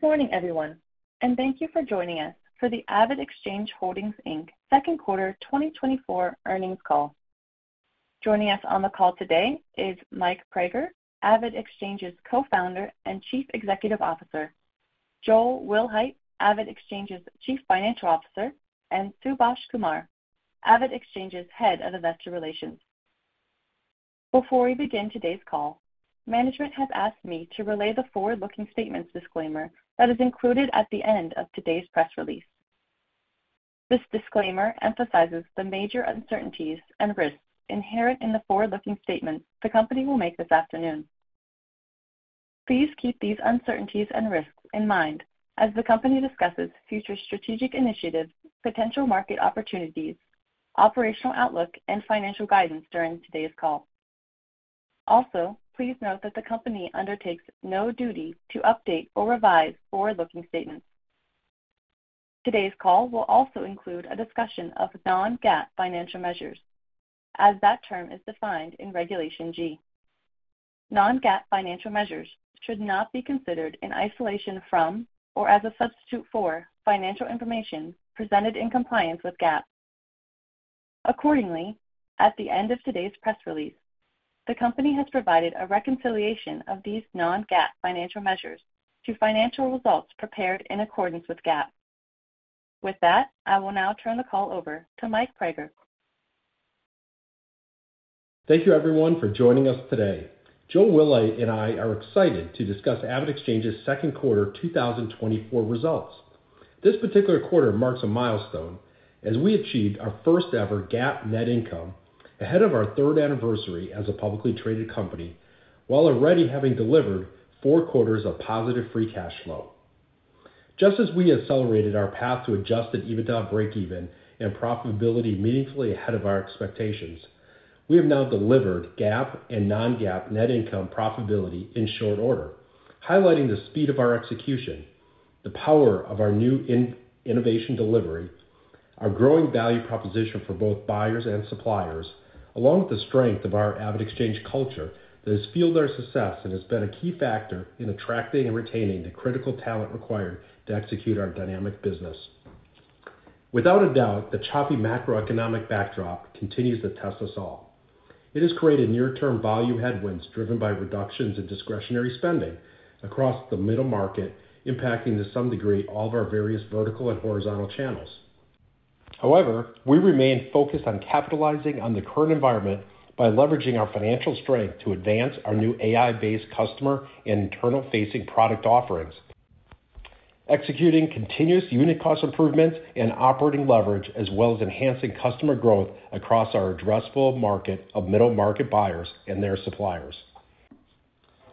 Good morning, everyone, and thank you for joining us for the AvidXchange Holdings, Inc. second quarter 2024 earnings call. Joining us on the call today is Mike Praeger, AvidXchange's Co-founder and Chief Executive Officer, Joel Wilhite, AvidXchange's Chief Financial Officer, and Subhaash Kumar, AvidXchange's Head of Investor Relations. Before we begin today's call, management has asked me to relay the forward-looking statements disclaimer that is included at the end of today's press release. This disclaimer emphasizes the major uncertainties and risks inherent in the forward-looking statements the company will make this afternoon. Please keep these uncertainties and risks in mind as the company discusses future strategic initiatives, potential market opportunities, operational outlook, and financial guidance during today's call. Also, please note that the company undertakes no duty to update or revise forward-looking statements. Today's call will also include a discussion of non-GAAP financial measures, as that term is defined in Regulation G. Non-GAAP financial measures should not be considered in isolation from or as a substitute for financial information presented in compliance with GAAP. Accordingly, at the end of today's press release, the company has provided a reconciliation of these non-GAAP financial measures to financial results prepared in accordance with GAAP. With that, I will now turn the call over to Mike Praeger. Thank you, everyone, for joining us today. Joel Wilhite and I are excited to discuss AvidXchange's second quarter 2024 results. This particular quarter marks a milestone as we achieved our first-ever GAAP net income ahead of our third anniversary as a publicly traded company, while already having delivered four quarters of positive free cash flow. Just as we accelerated our path to Adjusted EBITDA breakeven and profitability meaningfully ahead of our expectations, we have now delivered GAAP and non-GAAP net income profitability in short order, highlighting the speed of our execution, the power of our new innovation delivery, our growing value proposition for both buyers and suppliers, along with the strength of our AvidXchange culture that has fueled our success and has been a key factor in attracting and retaining the critical talent required to execute our dynamic business. Without a doubt, the choppy macroeconomic backdrop continues to test us all. It has created near-term volume headwinds, driven by reductions in discretionary spending across the middle market, impacting to some degree, all of our various vertical and horizontal channels. However, we remain focused on capitalizing on the current environment by leveraging our financial strength to advance our new AI-based customer and internal-facing product offerings, executing continuous unit cost improvements and operating leverage, as well as enhancing customer growth across our addressable market of middle-market buyers and their suppliers.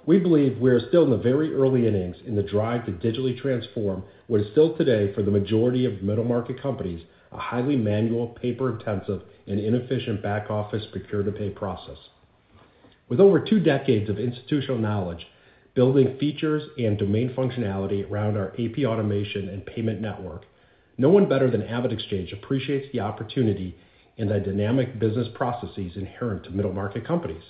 We believe we are still in the very early innings in the drive to digitally transform what is still today, for the majority of middle-market companies, a highly manual, paper-intensive, and inefficient back-office procure-to-pay process. With over two decades of institutional knowledge, building features and domain functionality around our AP automation and payment network, no one better than AvidXchange appreciates the opportunity and the dynamic business processes inherent to middle-market companies,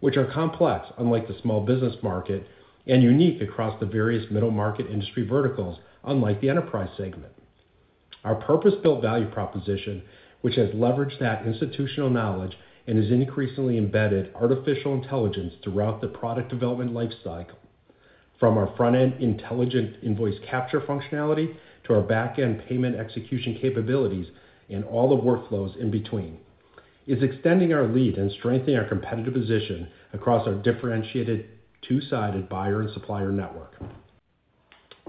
which are complex, unlike the small business market, and unique across the various middle-market industry verticals, unlike the enterprise segment. Our purpose-built value proposition, which has leveraged that institutional knowledge and is increasingly embedded artificial intelligence throughout the product development lifecycle, from our front-end intelligent invoice capture functionality to our back-end payment execution capabilities and all the workflows in between, is extending our lead and strengthening our competitive position across our differentiated, two-sided buyer and supplier network.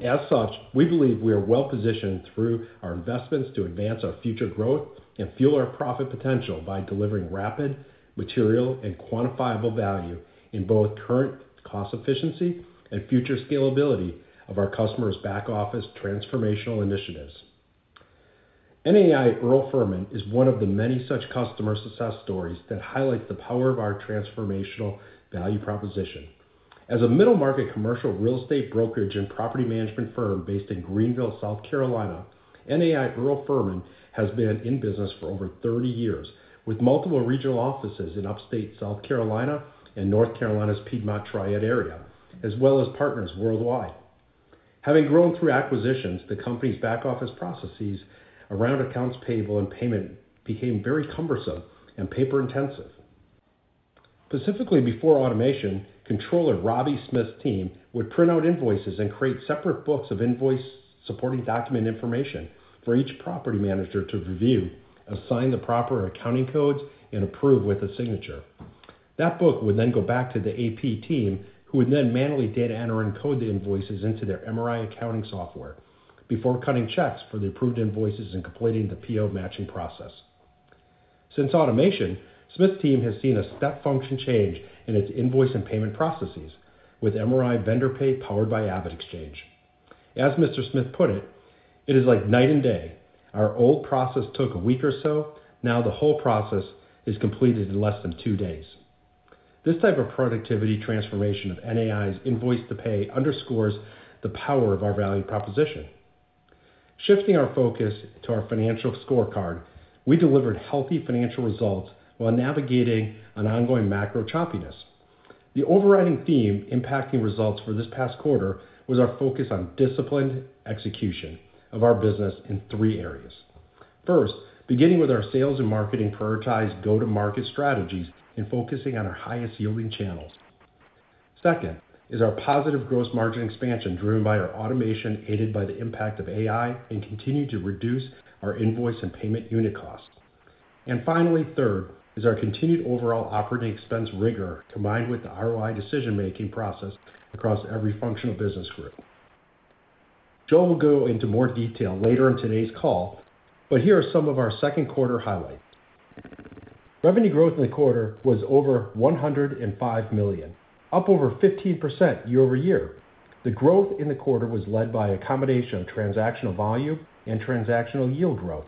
As such, we believe we are well-positioned through our investments to advance our future growth and fuel our profit potential by delivering rapid, material, and quantifiable value in both current cost efficiency and future scalability of our customers' back-office transformational initiatives. NAI Earle Furman is one of the many such customer success stories that highlight the power of our transformational value proposition. As a middle-market commercial real estate brokerage and property management firm based in Greenville, South Carolina, NAI Earle Furman has been in business for over 30 years, with multiple regional offices in upstate South Carolina and North Carolina's Piedmont Triad area, as well as partners worldwide. Having grown through acquisitions, the company's back-office processes around accounts payable and payment became very cumbersome and paper-intensive. Specifically, before automation, Controller Robbie Smith's team would print out invoices and create separate books of invoice supporting document information for each property manager to review, assign the proper accounting codes, and approve with a signature. That book would then go back to the AP team, who would then manually data enter and code the invoices into their MRI accounting software before cutting checks for the approved invoices and completing the PO matching process. Since automation, Smith's team has seen a step function change in its invoice and payment processes with MRI Vendor Pay, powered by AvidXchange. As Mr. Smith put it, "It is like night and day. Our old process took a week or so. Now the whole process is completed in less than two days." This type of productivity transformation of NAI's invoice to pay underscores the power of our value proposition.... Shifting our focus to our financial scorecard, we delivered healthy financial results while navigating an ongoing macro choppiness. The overriding theme impacting results for this past quarter was our focus on disciplined execution of our business in three areas. First, beginning with our sales and marketing, prioritized go-to-market strategies, and focusing on our highest-yielding channels. Second, is our positive gross margin expansion, driven by our automation, aided by the impact of AI, and continued to reduce our invoice and payment unit costs. And finally, third, is our continued overall operating expense rigor, combined with the ROI decision-making process across every functional business group. Joel will go into more detail later in today's call, but here are some of our second quarter highlights. Revenue growth in the quarter was over $105 million, up over 15% year-over-year. The growth in the quarter was led by a combination of transactional volume and transactional yield growth.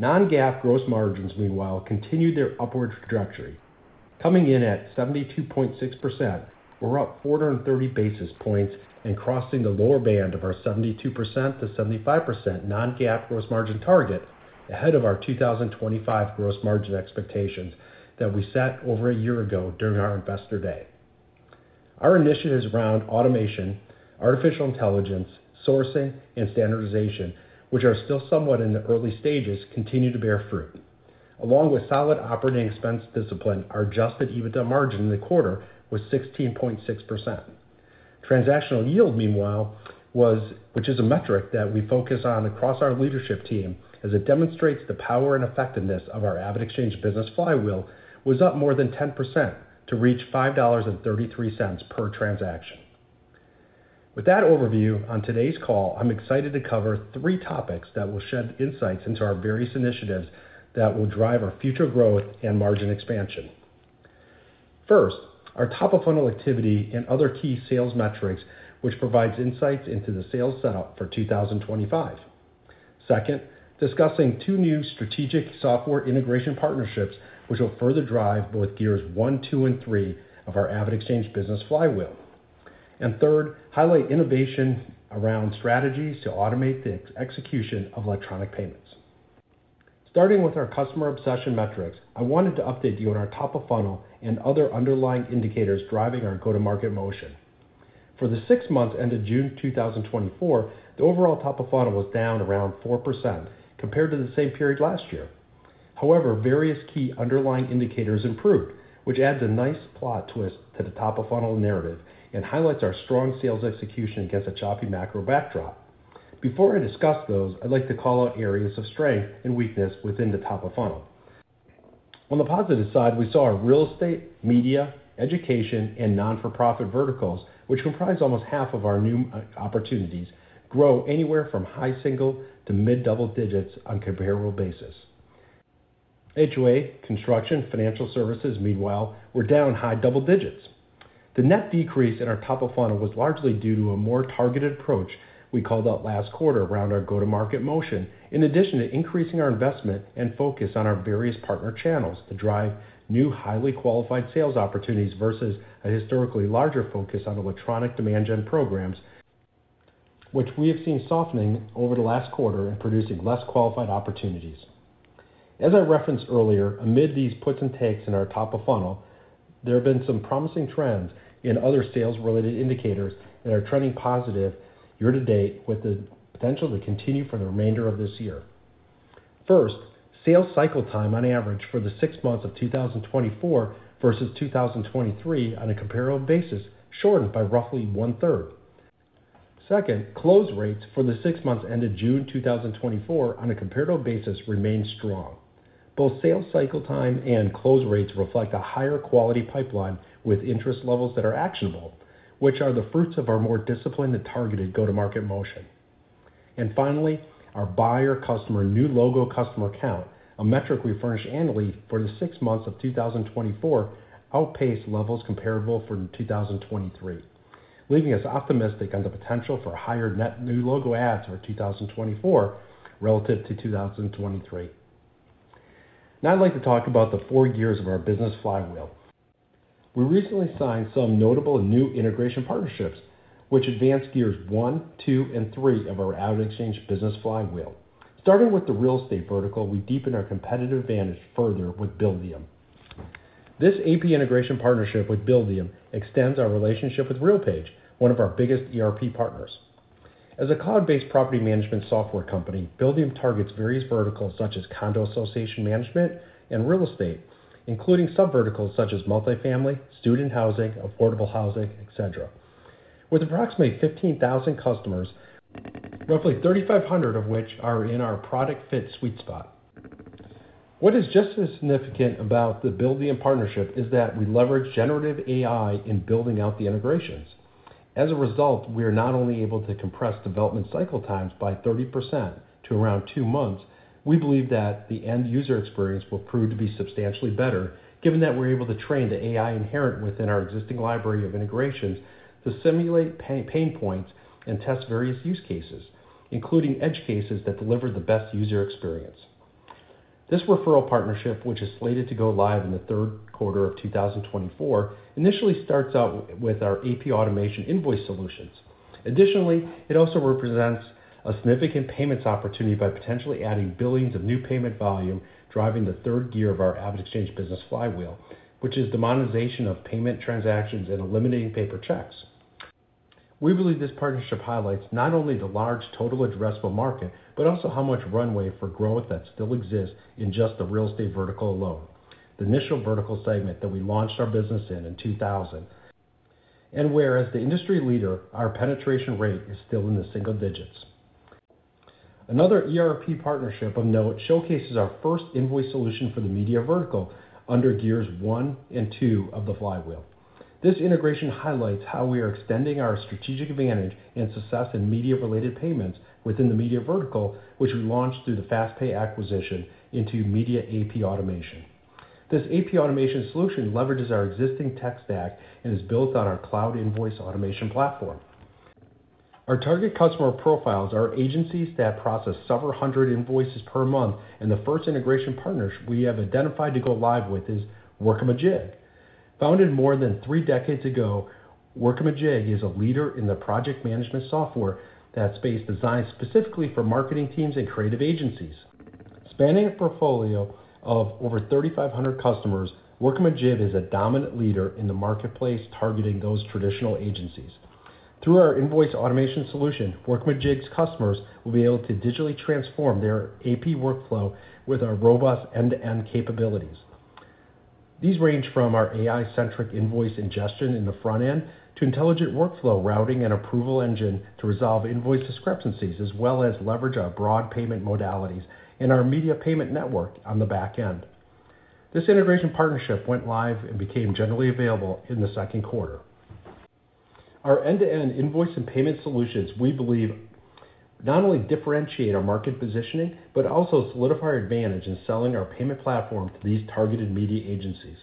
Non-GAAP gross margins, meanwhile, continued their upward trajectory, coming in at 72.6% or up 430 basis points and crossing the lower band of our 72%-75% Non-GAAP gross margin target, ahead of our 2025 gross margin expectations that we set over a year ago during our Investor Day. Our initiatives around automation, artificial intelligence, sourcing, and standardization, which are still somewhat in the early stages, continue to bear fruit. Along with solid operating expense discipline, our Adjusted EBITDA margin in the quarter was 16.6%. Transactional yield, meanwhile, was, which is a metric that we focus on across our leadership team as it demonstrates the power and effectiveness of our AvidXchange Business Flywheel, was up more than 10% to reach $5.33 per transaction. With that overview, on today's call, I'm excited to cover three topics that will shed insights into our various initiatives that will drive our future growth and margin expansion. First, our top-of-funnel activity and other key sales metrics, which provides insights into the sales setup for 2025. Second, discussing two new strategic software integration partnerships, which will further drive both gear one two and three of our AvidXchange Business Flywheel. And third, highlight innovation around strategies to automate the execution of electronic payments. Starting with our customer obsession metrics, I wanted to update you on our top-of-funnel and other underlying indicators driving our go-to-market motion. For the six months ended June 2024, the overall top of funnel was down around 4% compared to the same period last year. However, various key underlying indicators improved, which adds a nice plot twist to the top-of-funnel narrative and highlights our strong sales execution against a choppy macro backdrop. Before I discuss those, I'd like to call out areas of strength and weakness within the top-of-funnel. On the positive side, we saw our real estate, media, education, and non-for-profit verticals, which comprise almost half of our new opportunities, grow anywhere from high single to mid-double digits on a comparable basis. HOA, construction, financial services, meanwhile, were down high double digits. The net decrease in our top-of-funnel was largely due to a more targeted approach we called out last quarter around our go-to-market motion, in addition to increasing our investment and focus on our various partner channels to drive new, highly qualified sales opportunities versus a historically larger focus on electronic demand GEN programs, which we have seen softening over the last quarter and producing less qualified opportunities. As I referenced earlier, amid these puts and takes in our top-of-funnel, there have been some promising trends in other sales-related indicators that are trending positive year to date, with the potential to continue for the remainder of this year. First, sales cycle time, on average for the six months of 2024 versus 2023 on a comparable basis, shortened by roughly 1/3. Second, close rates for the six months ended June 2024 on a comparable basis remained strong. Both sales cycle time and close rates reflect a higher quality pipeline with interest levels that are actionable, which are the fruits of our more disciplined and targeted go-to-market motion. And finally, our buyer customer, new logo customer count, a metric we furnish annually for the six months of 2024, outpaced levels comparable for 2023, leaving us optimistic on the potential for higher net new logo adds for 2024 relative to 2023. Now I'd like to talk about the four gears of our Business Flywheel. We recently signed some notable new integration partnerships, which advanced gears one, two, and three of our AvidXchange Business Flywheel. Starting with the real estate vertical, we deepen our competitive advantage further with Buildium. This AP integration partnership with Buildium extends our relationship with RealPage, one of our biggest ERP partners. As a cloud-based property management software company, Buildium targets various verticals such as condo association management and real estate, including sub verticals such as multifamily, student housing, affordable housing, et cetera. With approximately 15,000 customers, roughly 3,500 of which are in our product fit sweet spot. What is just as significant about the Buildium partnership is that we leverage generative AI in building out the integrations. As a result, we are not only able to compress development cycle times by 30% to around two months, we believe that the end user experience will prove to be substantially better, given that we're able to train the AI inherent within our existing library of integrations to simulate pain points and test various use cases, including edge cases that deliver the best user experience. This referral partnership, which is slated to go live in the third quarter of 2024, initially starts out with our AP automation invoice solutions. Additionally, it also represents a significant payments opportunity by potentially adding billions of new payment volume, driving the third gear of our AvidXchange Business Flywheel, which is the monetization of payment transactions and eliminating paper checks. We believe this partnership highlights not only the large total addressable market, but also how much runway for growth that still exists in just the real estate vertical alone, the initial vertical segment that we launched our business in, in 2000, and where, as the industry leader, our penetration rate is still in the single digits. Another ERP partnership of note showcases our first invoice solution for the media vertical under gears one and two of the flywheel. This integration highlights how we are extending our strategic advantage and success in media-related payments within the media vertical, which we launched through the FastPay acquisition into media AP automation. This AP automation solution leverages our existing tech stack and is built on our cloud invoice automation platform. Our target customer profiles are agencies that process several hundred invoices per month, and the first integration partners we have identified to go live with is Workamajig. Founded more than three decades ago, Workamajig is a leader in the project management software that's been designed specifically for marketing teams and creative agencies. Spanning a portfolio of over 3,500 customers, Workamajig is a dominant leader in the marketplace, targeting those traditional agencies. Through our invoice automation solution, Workamajig's customers will be able to digitally transform their AP workflow with our robust end-to-end capabilities. These range from our AI-centric invoice ingestion in the front end to intelligent workflow routing and approval engine to resolve invoice discrepancies, as well as leverage our broad payment modalities and our media payment network on the back end. This integration partnership went live and became generally available in the second quarter. Our end-to-end invoice and payment solutions, we believe, not only differentiate our market positioning, but also solidify our advantage in selling our payment platform to these targeted media agencies.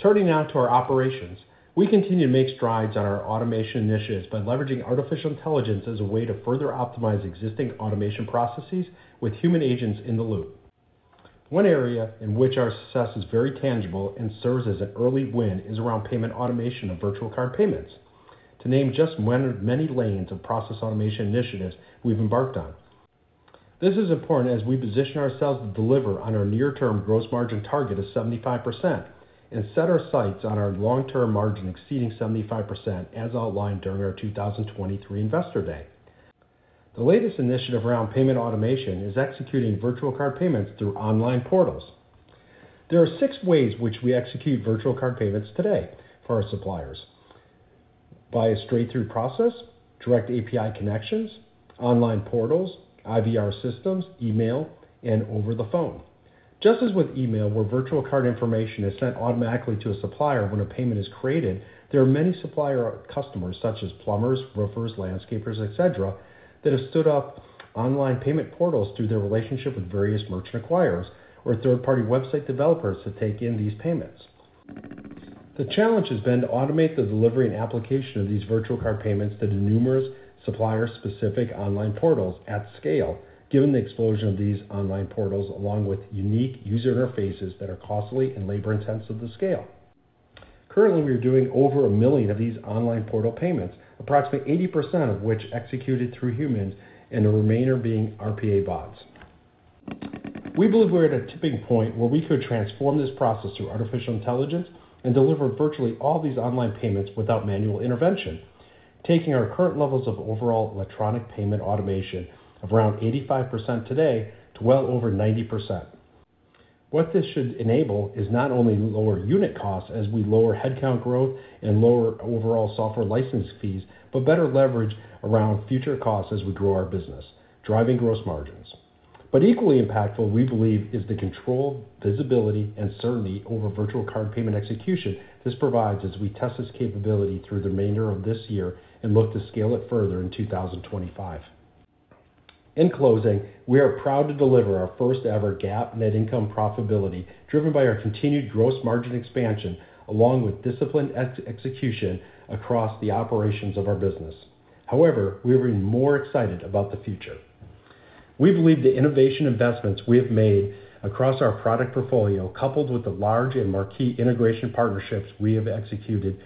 Turning now to our operations. We continue to make strides on our automation initiatives by leveraging artificial intelligence as a way to further optimize existing automation processes with human agents in the loop. One area in which our success is very tangible and serves as an early win is around payment automation of virtual card payments, to name just one of many lanes of process automation initiatives we've embarked on. This is important as we position ourselves to deliver on our near-term gross margin target of 75% and set our sights on our long-term margin exceeding 75%, as outlined during our 2023 Investor Day. The latest initiative around payment automation is executing virtual card payments through online portals. There are six ways which we execute virtual card payments today for our suppliers: by a straight-through process, direct API connections, online portals, IVR systems, email, and over the phone. Just as with email, where virtual card information is sent automatically to a supplier when a payment is created, there are many supplier customers, such as plumbers, roofers, landscapers, et cetera, that have stood up online payment portals through their relationship with various merchant acquirers or third-party website developers to take in these payments. The challenge has been to automate the delivery and application of these virtual card payments to the numerous supplier-specific online portals at scale, given the explosion of these online portals, along with unique user interfaces that are costly and labor-intensive to scale. Currently, we are doing over 1 million of these online portal payments, approximately 80% of which executed through humans and the remainder being RPA bots. We believe we're at a tipping point where we could transform this process through artificial intelligence and deliver virtually all these online payments without manual intervention, taking our current levels of overall electronic payment automation of around 85% today to well over 90%. What this should enable is not only lower unit costs as we lower headcount growth and lower overall software license fees, but better leverage around future costs as we grow our business, driving gross margins. But equally impactful, we believe, is the control, visibility, and certainty over virtual card payment execution this provides as we test this capability through the remainder of this year and look to scale it further in 2025. In closing, we are proud to deliver our first-ever GAAP net income profitability, driven by our continued gross margin expansion, along with disciplined expense execution across the operations of our business. However, we're even more excited about the future. We believe the innovation investments we have made across our product portfolio, coupled with the large and marquee integration partnerships we have executed,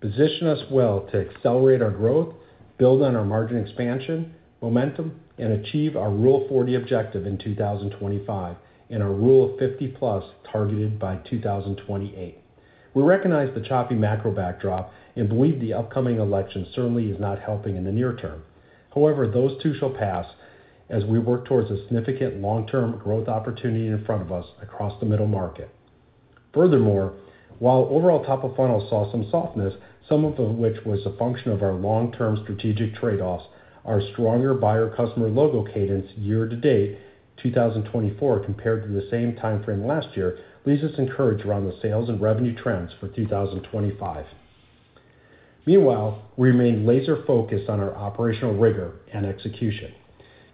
position us well to accelerate our growth, build on our margin expansion momentum, and achieve our Rule of 40 objective in 2025 and our Rule of 50+ targeted by 2028. We recognize the choppy macro backdrop and believe the upcoming election certainly is not helping in the near term. However, those two shall pass as we work towards a significant long-term growth opportunity in front of us across the middle market. Furthermore, while overall top of funnel saw some softness, some of which was a function of our long-term strategic trade-offs, our stronger buyer customer logo cadence year to date, 2024, compared to the same timeframe last year, leaves us encouraged around the sales and revenue trends for 2025. Meanwhile, we remain laser focused on our operational rigor and execution,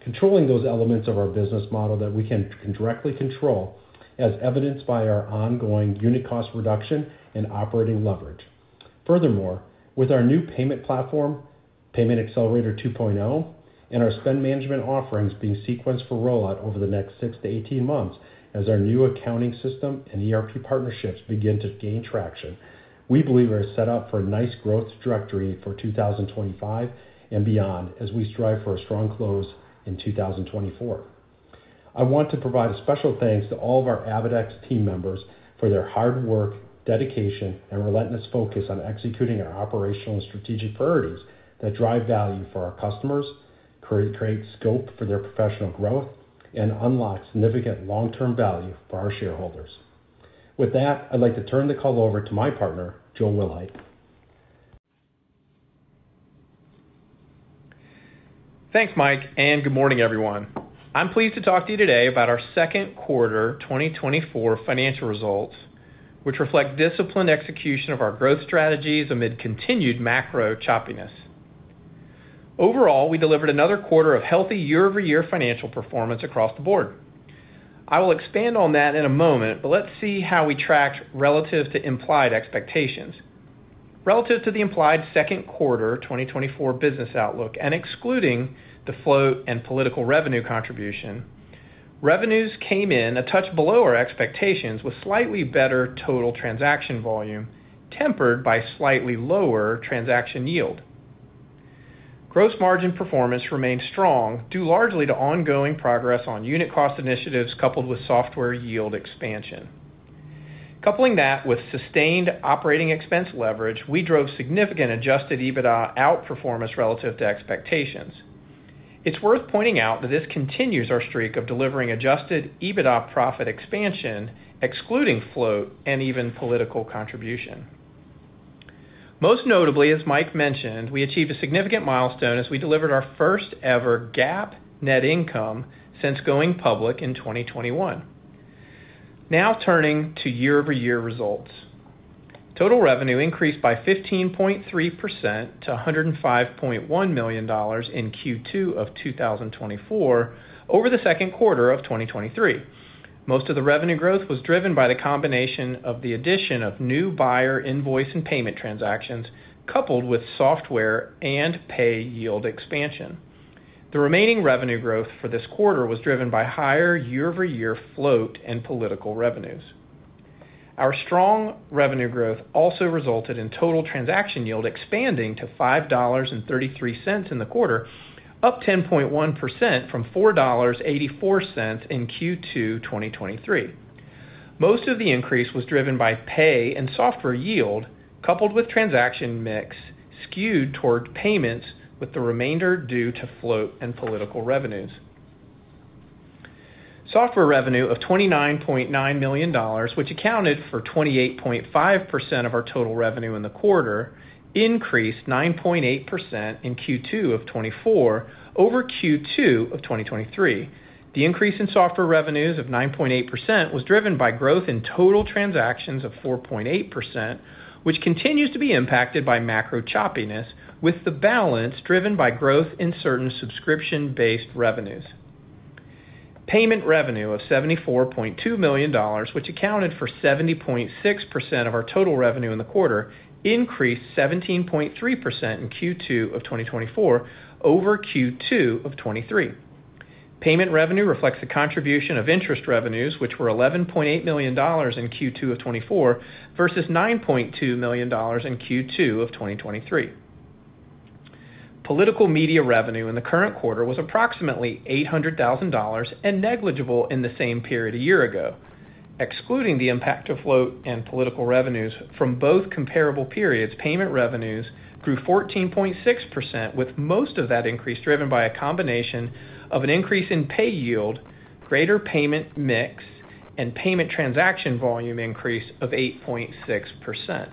controlling those elements of our business model that we can directly control, as evidenced by our ongoing unit cost reduction and operating leverage. Furthermore, with our new payment platform, Payment Accelerator 2.0, and our spend management offerings being sequenced for rollout over the next 6-18 months, as our new accounting system and ERP partnerships begin to gain traction, we believe we're set up for a nice growth trajectory for 2025 and beyond, as we strive for a strong close in 2024. I want to provide a special thanks to all of our AvidXchange team members for their hard work, dedication, and relentless focus on executing our operational and strategic priorities that drive value for our customers, create scope for their professional growth, and unlock significant long-term value for our shareholders. With that, I'd like to turn the call over to my partner, Joel Wilhite. Thanks, Mike, and good morning, everyone. I'm pleased to talk to you today about our second quarter 2024 financial results, which reflect disciplined execution of our growth strategies amid continued macro choppiness. Overall, we delivered another quarter of healthy year-over-year financial performance across the board. I will expand on that in a moment, but let's see how we tracked relative to implied expectations. Relative to the implied second quarter 2024 business outlook, and excluding the float and political revenue contribution, revenues came in a touch below our expectations, with slightly better total transaction volume, tempered by slightly lower transaction yield. Gross margin performance remained strong, due largely to ongoing progress on unit cost initiatives coupled with software yield expansion. Coupling that with sustained operating expense leverage, we drove significant Adjusted EBITDA outperformance relative to expectations. It's worth pointing out that this continues our streak of delivering Adjusted EBITDA profit expansion, excluding float and even political contribution. Most notably, as Mike mentioned, we achieved a significant milestone as we delivered our first-ever GAAP net income since going public in 2021. Now turning to year-over-year results. Total revenue increased by 15.3% to $105.1 million in Q2 of 2024 over the second quarter of 2023. Most of the revenue growth was driven by the combination of the addition of new buyer invoice and payment transactions, coupled with software and pay yield expansion. The remaining revenue growth for this quarter was driven by higher year-over-year float and political revenues. Our strong revenue growth also resulted in total transaction yield expanding to $5.33 in the quarter, up 10.1% from $4.84 in Q2 2023. Most of the increase was driven by pay and software yield, coupled with transaction mix skewed toward payments, with the remainder due to float and political revenues. Software revenue of $29.9 million, which accounted for 28.5% of our total revenue in the quarter, increased 9.8% in Q2 2024 over Q2 2023. The increase in software revenues of 9.8% was driven by growth in total transactions of 4.8%, which continues to be impacted by macro choppiness, with the balance driven by growth in certain subscription-based revenues. Payment revenue of $74.2 million, which accounted for 70.6% of our total revenue in the quarter, increased 17.3% in Q2 of 2024 over Q2 of 2023. Payment revenue reflects the contribution of interest revenues, which were $11.8 million in Q2 of 2024, versus $9.2 million in Q2 of 2023. Political media revenue in the current quarter was approximately $800,000 and negligible in the same period a year ago. Excluding the impact of float and political revenues from both comparable periods, payment revenues grew 14.6%, with most of that increase driven by a combination of an increase in pay yield, greater payment mix, and payment transaction volume increase of 8.6%.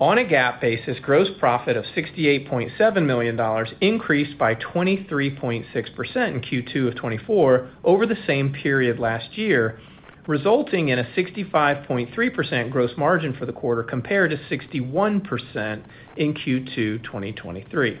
On a GAAP basis, gross profit of $68.7 million increased by 23.6% in Q2 of 2024 over the same period last year, resulting in a 65.3% gross margin for the quarter, compared to 61% in Q2 2023.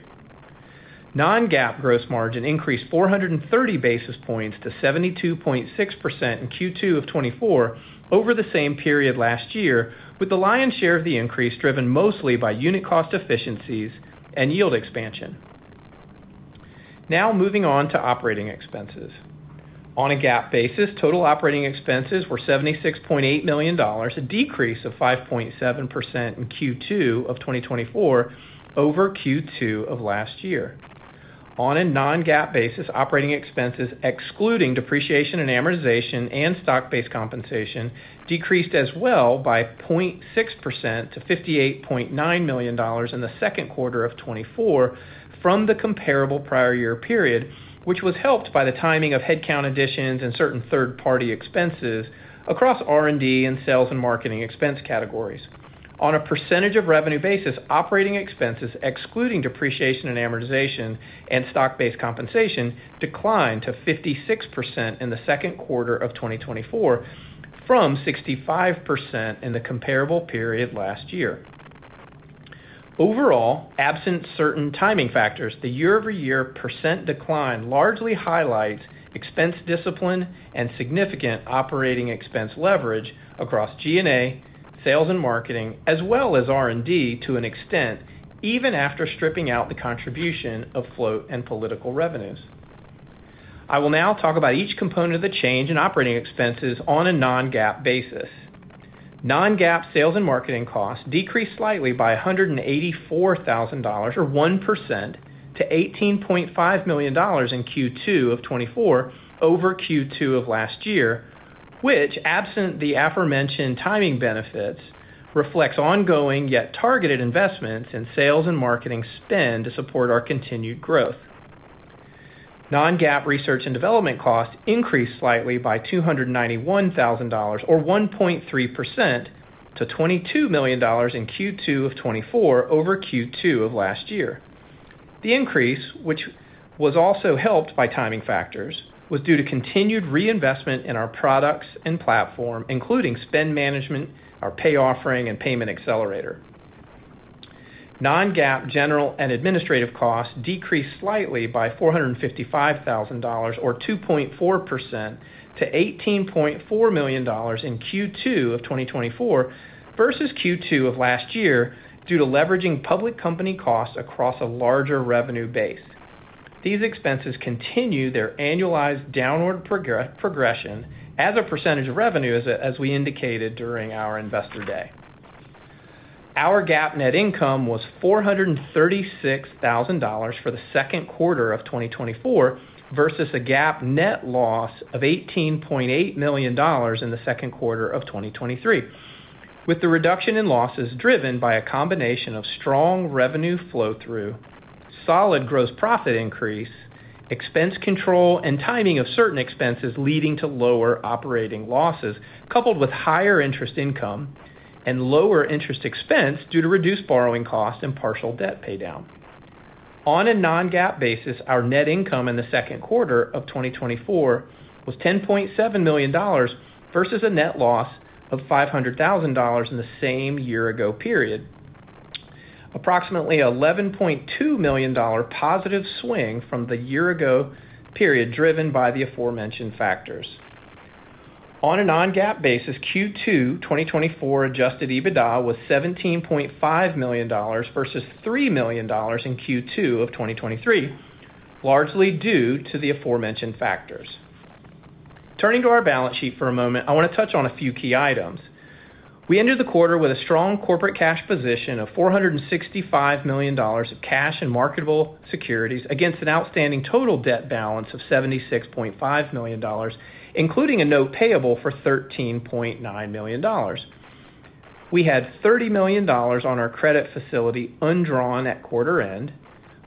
Non-GAAP gross margin increased 430 basis points to 72.6% in Q2 of 2024 over the same period last year, with the lion's share of the increase driven mostly by unit cost efficiencies and yield expansion. Now moving on to operating expenses. On a GAAP basis, total operating expenses were $76.8 million, a decrease of 5.7% in Q2 of 2024 over Q2 of last year. On a non-GAAP basis, operating expenses, excluding depreciation and amortization and stock-based compensation, decreased as well by 0.6% to $58.9 million in the second quarter of 2024 from the comparable prior year period, which was helped by the timing of headcount additions and certain third-party expenses across R&D and sales and marketing expense categories. On a percentage of revenue basis, operating expenses, excluding depreciation and amortization and stock-based compensation, declined to 56% in the second quarter of 2024 from 65% in the comparable period last year. Overall, absent certain timing factors, the year-over-year percent decline largely highlights expense discipline and significant operating expense leverage across G&A, sales and marketing, as well as R&D to an extent, even after stripping out the contribution of float and political revenues. I will now talk about each component of the change in operating expenses on a non-GAAP basis. Non-GAAP sales and marketing costs decreased slightly by $184,000, or 1%, to $18.5 million in Q2 of 2024 over Q2 of last year, which, absent the aforementioned timing benefits, reflects ongoing yet targeted investments in sales and marketing spend to support our continued growth. Non-GAAP research and development costs increased slightly by $291,000, or 1.3%, to $22 million in Q2 of 2024 over Q2 of last year. The increase, which was also helped by timing factors, was due to continued reinvestment in our products and platform, including Spend Management, our pay offering, and Payment Accelerator. Non-GAAP general and administrative costs decreased slightly by $455,000 or 2.4% to $18.4 million in Q2 of 2024 versus Q2 of last year, due to leveraging public company costs across a larger revenue base. These expenses continue their annualized downward progression as a percentage of revenue, as we indicated during our Investor Day. Our GAAP net income was $436,000 for the second quarter of 2024 versus a GAAP net loss of $18.8 million in the second quarter of 2023, with the reduction in losses driven by a combination of strong revenue flow-through, solid gross profit increase, expense control, and timing of certain expenses leading to lower operating losses, coupled with higher interest income and lower interest expense due to reduced borrowing costs and partial debt paydown. On a Non-GAAP basis, our net income in the second quarter of 2024 was $10.7 million versus a net loss of $500,000 in the same year-ago period. Approximately $11.2 million positive swing from the year-ago period, driven by the aforementioned factors. On a Non-GAAP basis, Q2 2024 Adjusted EBITDA was $17.5 million versus $3 million in Q2 of 2023, largely due to the aforementioned factors. Turning to our balance sheet for a moment, I want to touch on a few key items. We ended the quarter with a strong corporate cash position of $465 million of cash and marketable securities against an outstanding total debt balance of $76.5 million, including a note payable for $13.9 million. We had $30 million on our credit facility, undrawn at quarter end.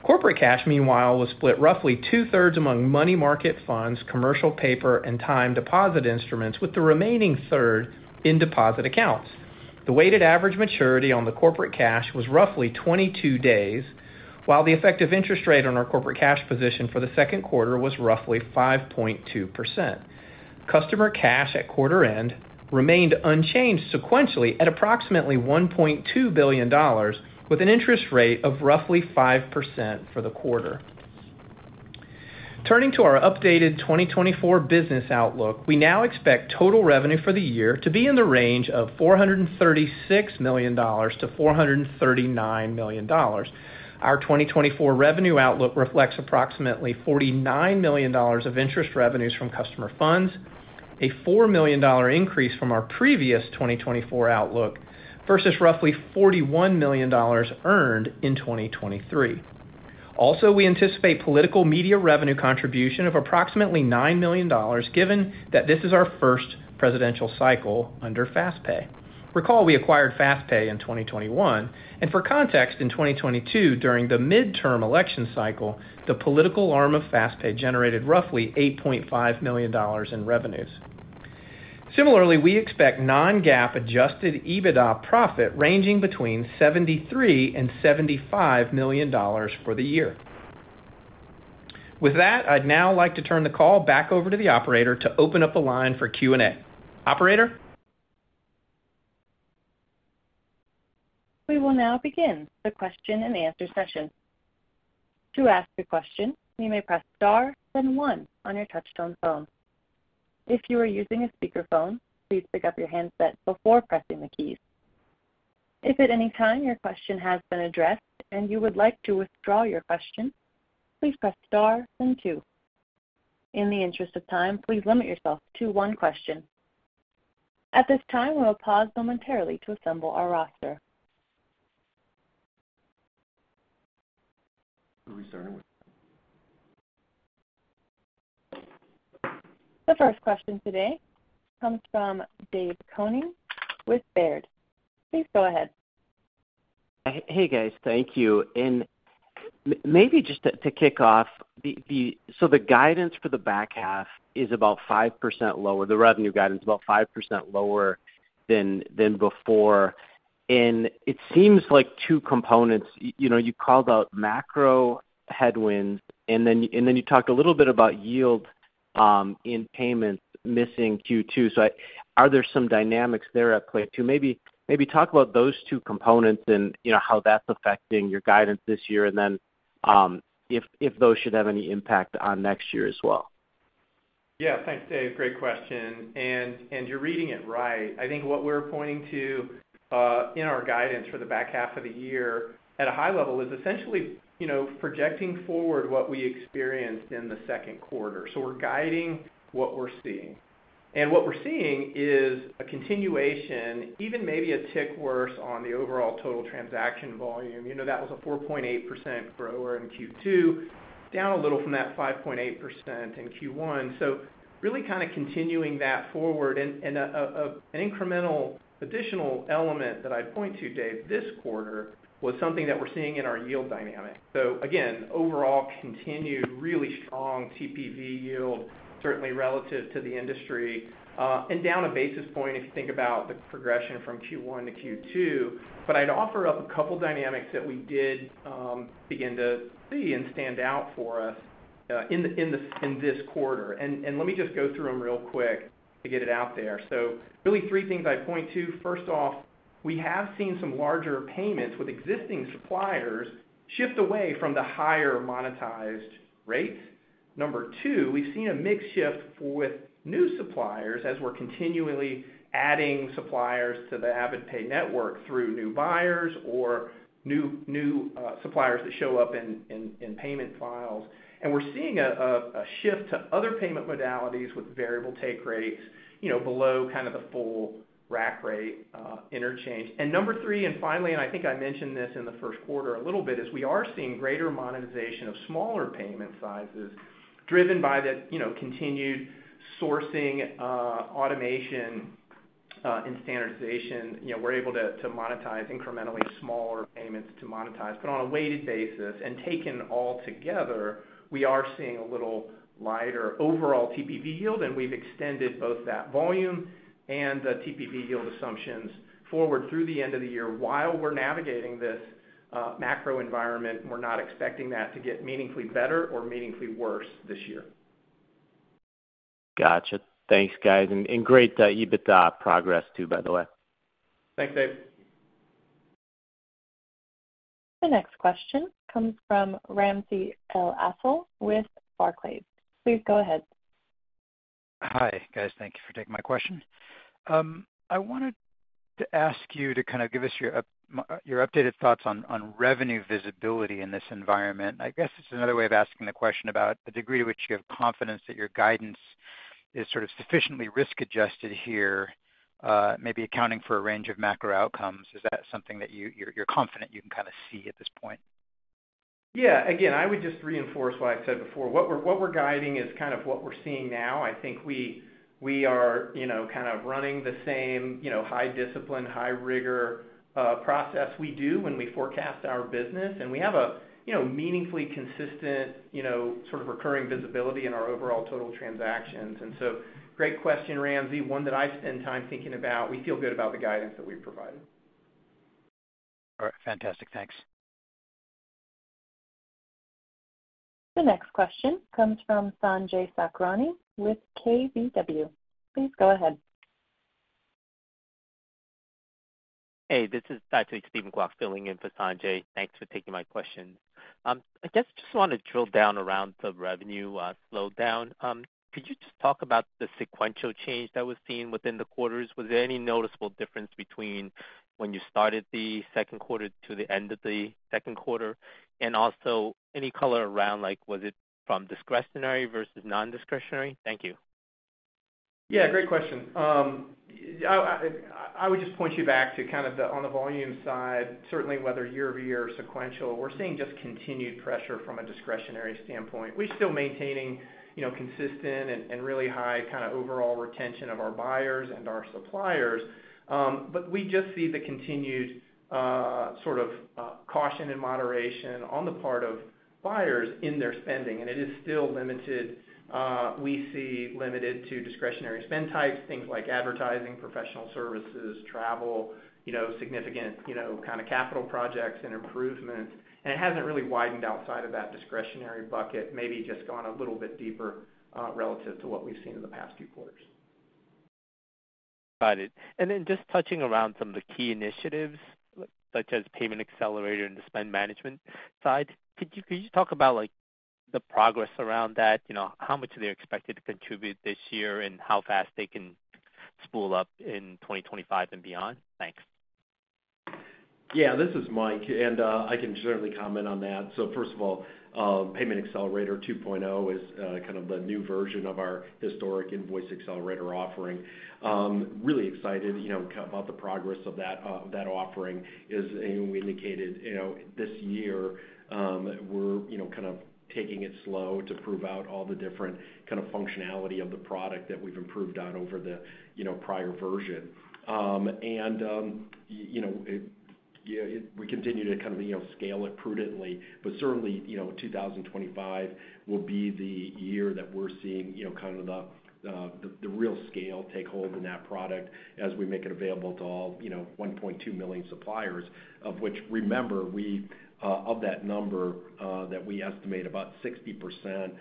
Corporate cash, meanwhile, was split roughly 2/3 among money market funds, commercial paper, and time deposit instruments, with the remaining third in deposit accounts. The weighted average maturity on the corporate cash was roughly 22 days, while the effective interest rate on our corporate cash position for the second quarter was roughly 5.2%. Customer cash at quarter end remained unchanged sequentially at approximately $1.2 billion, with an interest rate of roughly 5% for the quarter. Turning to our updated 2024 business outlook, we now expect total revenue for the year to be in the range of $436 million-$439 million. Our 2024 revenue outlook reflects approximately $49 million of interest revenues from customer funds, a $4 million increase from our previous 2024 outlook, versus roughly $41 million earned in 2023. Also, we anticipate political media revenue contribution of approximately $9 million, given that this is our first presidential cycle under FastPay. Recall, we acquired FastPay in 2021, and for context, in 2022, during the midterm election cycle, the political arm of FastPay generated roughly $8.5 million in revenues. Similarly, we expect non-GAAP adjusted EBITDA profit ranging between $73 million and $75 million for the year. With that, I'd now like to turn the call back over to the operator to open up the line for Q&A. Operator? We will now begin the question-and-answer session. To ask a question, you may press Star, then One on your touchtone phone. If you are using a speakerphone, please pick up your handset before pressing the keys. If at any time your question has been addressed and you would like to withdraw your question, please press Star, then Two. In the interest of time, please limit yourself to one question. At this time, we will pause momentarily to assemble our roster. Who are we starting with? The first question today comes from Dave Koning with Baird. Please go ahead. Hey, guys. Thank you. And maybe just to kick off the—so the guidance for the back half is about 5% lower, the revenue guidance, about 5% lower than before. And it seems like two components. You know, you called out macro headwinds, and then you talked a little bit about yield in payments missing Q2. So are there some dynamics there at play, too? Maybe talk about those two components and, you know, how that's affecting your guidance this year, and then, if those should have any impact on next year as well. Yeah, thanks, Dave. Great question, and, and you're reading it right. I think what we're pointing to, in our guidance for the back half of the year, at a high level, is essentially, you know, projecting forward what we experienced in the second quarter. So we're guiding what we're seeing. And what we're seeing is a continuation, even maybe a tick worse on the overall total transaction volume. You know, that was a 4.8% grower in Q2, down a little from that 5.8% in Q1. So really kind of continuing that forward. And, and, an incremental additional element that I'd point to, Dave, this quarter, was something that we're seeing in our yield dynamic. So again, overall continued really strong TPV yield, certainly relative to the industry, and down a basis point, if you think about the progression from Q1 to Q2. But I'd offer up a couple dynamics that we did begin to see and stand out for us in this quarter. And let me just go through them real quick to get it out there. So really three things I'd point to. First off, we have seen some larger payments with existing suppliers shift away from the higher monetized rates. Number two, we've seen a mix shift with new suppliers as we're continually adding suppliers to the AvidPay Network through new buyers or new suppliers that show up in payment files. We're seeing a shift to other payment modalities with variable take rates, you know, below kind of the full rack rate, interchange. Number three, and finally, and I think I mentioned this in the first quarter a little bit, is we are seeing greater monetization of smaller payment sizes driven by the, you know, continued sourcing, automation, and standardization. You know, we're able to monetize incrementally smaller payments. But on a weighted basis and taken all together, we are seeing a little lighter overall TPV yield, and we've extended both that volume and the TPV yield assumptions forward through the end of the year. While we're navigating this macro environment, we're not expecting that to get meaningfully better or meaningfully worse this year. Gotcha. Thanks, guys. And great, EBITDA progress, too, by the way. Thanks, Dave. The next question comes from Ramsey El-Assal with Barclays. Please go ahead. Hi, guys. Thank you for taking my question. I wanted to ask you to kind of give us your updated thoughts on revenue visibility in this environment. I guess it's another way of asking the question about the degree to which you have confidence that your guidance is sort of sufficiently risk-adjusted here, maybe accounting for a range of macro outcomes. Is that something that you're confident you can kind of see at this point? Yeah. Again, I would just reinforce what I've said before. What we're, what we're guiding is kind of what we're seeing now. I think we, we are, you know, kind of running the same, you know, high discipline, high rigor, process we do when we forecast our business, and we have a, you know, meaningfully consistent, you know, sort of recurring visibility in our overall total transactions. And so great question, Ramsey, one that I spend time thinking about. We feel good about the guidance that we've provided. All right. Fantastic. Thanks. The next question comes from Sanjay Sakhrani with KBW. Please go ahead. Hey, this is Stephen Glagola filling in for Sanjay. Thanks for taking my question. I guess just want to drill down around the revenue slowdown. Could you just talk about the sequential change that was seen within the quarters? Was there any noticeable difference between when you started the second quarter to the end of the second quarter? And also any color around, like, was it from discretionary versus non-discretionary? Thank you. Yeah, great question. I would just point you back to kind of the, on the volume side, certainly whether year-over-year or sequential, we're seeing just continued pressure from a discretionary standpoint. We're still maintaining, you know, consistent and really high kind of overall retention of our buyers and our suppliers, but we just see the continued, sort of, caution and moderation on the part of buyers in their spending, and it is still limited, we see limited to discretionary spend types, things like advertising, professional services, travel, you know, significant, you know, kind of capital projects and improvements. And it hasn't really widened outside of that discretionary bucket, maybe just gone a little bit deeper, relative to what we've seen in the past few quarters. Got it. And then just touching around some of the key initiatives, such as Payment Accelerator and the Spend Management side, could you, could you talk about, like, the progress around that? You know, how much are they expected to contribute this year, and how fast they can spool up in 2025 and beyond? Thanks. Yeah, this is Mike, and, I can certainly comment on that. So first of all, Payment Accelerator 2.0 is, kind of the new version of our historic Invoice Accelerator offering. Really excited, you know, kind about the progress of that, that offering. As we indicated, you know, this year, we're, you know, kind of taking it slow to prove out all the different kind of functionality of the product that we've improved on over the, you know, prior version. And, you know, it yeah, we continue to kind of, you know, scale it prudently. But certainly, you know, 2025 will be the year that we're seeing, you know, kind of the the real scale take hold in that product as we make it available to all, you know, 1.2 million suppliers, of which, remember, we of that number that we estimate about 60%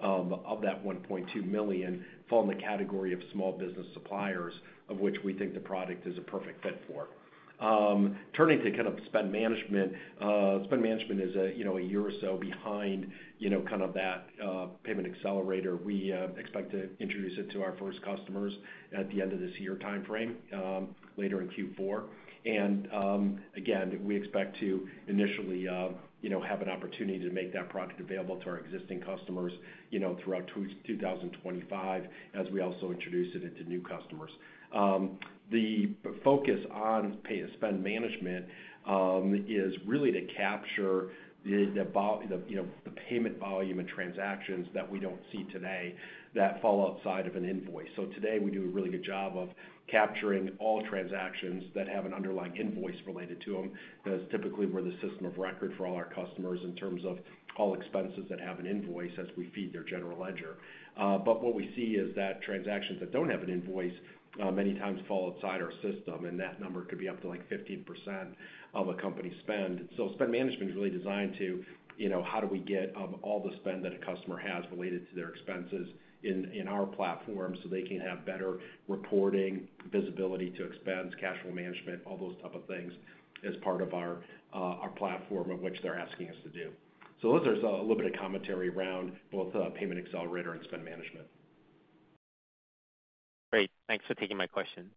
of that 1.2 million fall in the category of small business suppliers, of which we think the product is a perfect fit for. Turning to kind of Spend Management, Spend Management is a, you know, a year or so behind, you know, kind of that Payment Accelerator. We expect to introduce it to our first customers at the end of this year timeframe, later in Q4. Again, we expect to initially, you know, have an opportunity to make that product available to our existing customers, you know, throughout 2025, as we also introduce it into new customers. The focus on Spend Management is really to capture the, you know, the payment volume and transactions that we don't see today that fall outside of an invoice. So today, we do a really good job of capturing all transactions that have an underlying invoice related to them. That is typically where the system of record for all our customers in terms of all expenses that have an invoice as we feed their general ledger. But what we see is that transactions that don't have an invoice, many times fall outside our system, and that number could be up to, like, 15% of a company's spend. So spend management is really designed to, you know, how do we get all the spend that a customer has related to their expenses in our platform so they can have better reporting, visibility to expense, cash flow management, all those type of things, as part of our platform of which they're asking us to do. So those are a little bit of commentary around both, Payment Accelerator and spend management. Great. Thanks for taking my question.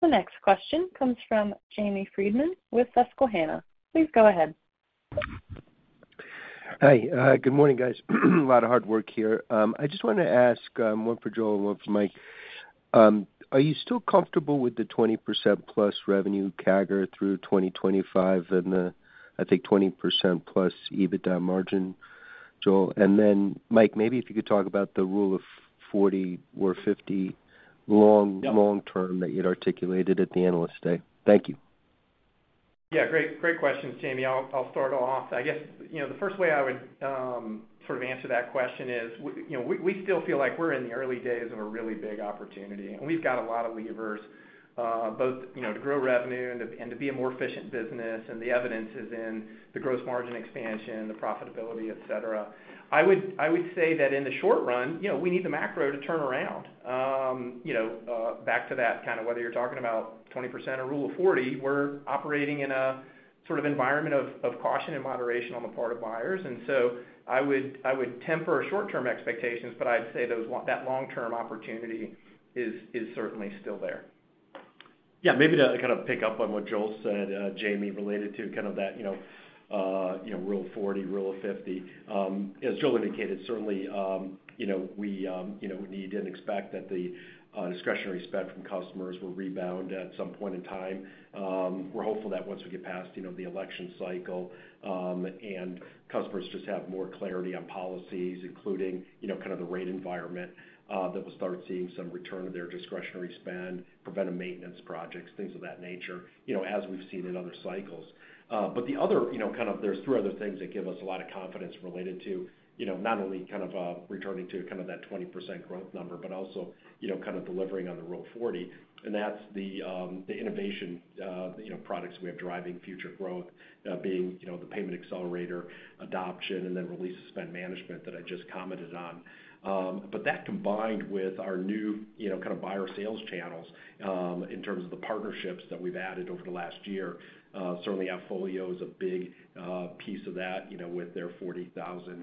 The next question comes from Jamie Friedman with Susquehanna. Please go ahead. Hi, good morning, guys. A lot of hard work here. I just wanted to ask, one for Joel, one for Mike. Are you still comfortable with the 20%+ revenue CAGR through 2025 and the, I think, 20%+ EBITDA margin, Joel? And then, Mike, maybe if you could talk about the Rule of 40 or 50 long- Yeah... long term that you'd articulated at the Analyst Day. Thank you. Yeah, great, great questions, Jamie. I'll, I'll start off. I guess, you know, the first way I would sort of answer that question is, we, you know, we, we still feel like we're in the early days of a really big opportunity, and we've got a lot of levers, both, you know, to grow revenue and to, and to be a more efficient business, and the evidence is in the gross margin expansion, the profitability, et cetera. I would, I would say that in the short run, you know, we need the macro to turn around. You know, back to that, kind of, whether you're talking about 20% or Rule of 40, we're operating in a sort of environment of caution and moderation on the part of buyers. So I would temper our short-term expectations, but I'd say that long-term opportunity is certainly still there. Yeah, maybe to kind of pick up on what Joel said, Jamie, related to kind of that, you know, Rule of 40, Rule of 50. As Joel indicated, certainly, you know, we need and expect that the discretionary spend from customers will rebound at some point in time. We're hopeful that once we get past, you know, the election cycle, and customers just have more clarity on policies, including, you know, kind of the rate environment, that we'll start seeing some return of their discretionary spend, preventive maintenance projects, things of that nature, you know, as we've seen in other cycles. But the other, you know, kind of... There's three other things that give us a lot of confidence related to, you know, not only kind of, returning to kind of that 20% growth number, but also, you know, kind of delivering on the rule of 40, and that's the, the innovation, you know, products we have driving future growth, being, you know, the Payment Accelerator adoption, and then release of spend management that I just commented on. But that, combined with our new, you know, kind of buyer sales channels, in terms of the partnerships that we've added over the last year, certainly AppFolio is a big, piece of that, you know, with their 40,000,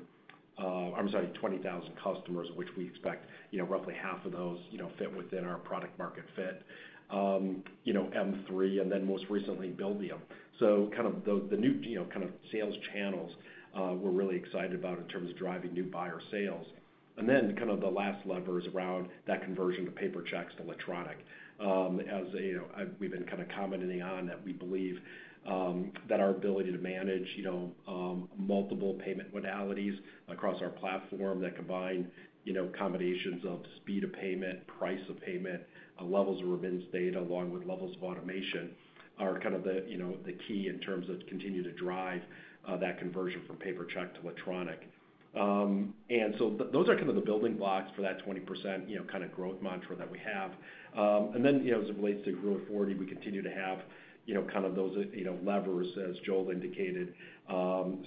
I'm sorry, 20,000 customers, which we expect, you know, roughly half of those, you know, fit within our product market fit. You know, M3, and then most recently, Buildium. So kind of the new, you know, kind of sales channels we're really excited about in terms of driving new buyer sales. And then kind of the last lever is around that conversion of paper checks to electronic. As you know, we've been kind of commenting on, that we believe that our ability to manage, you know, multiple payment modalities across our platform that combine, you know, combinations of speed of payment, price of payment, levels of remittance data, along with levels of automation, are kind of, you know, the key in terms of continue to drive that conversion from paper check to electronic. And so those are kind of the building blocks for that 20%, you know, kind of growth mantra that we have. And then, you know, as it relates to Rule of 40, we continue to have, you know, kind of those, you know, levers, as Joel indicated.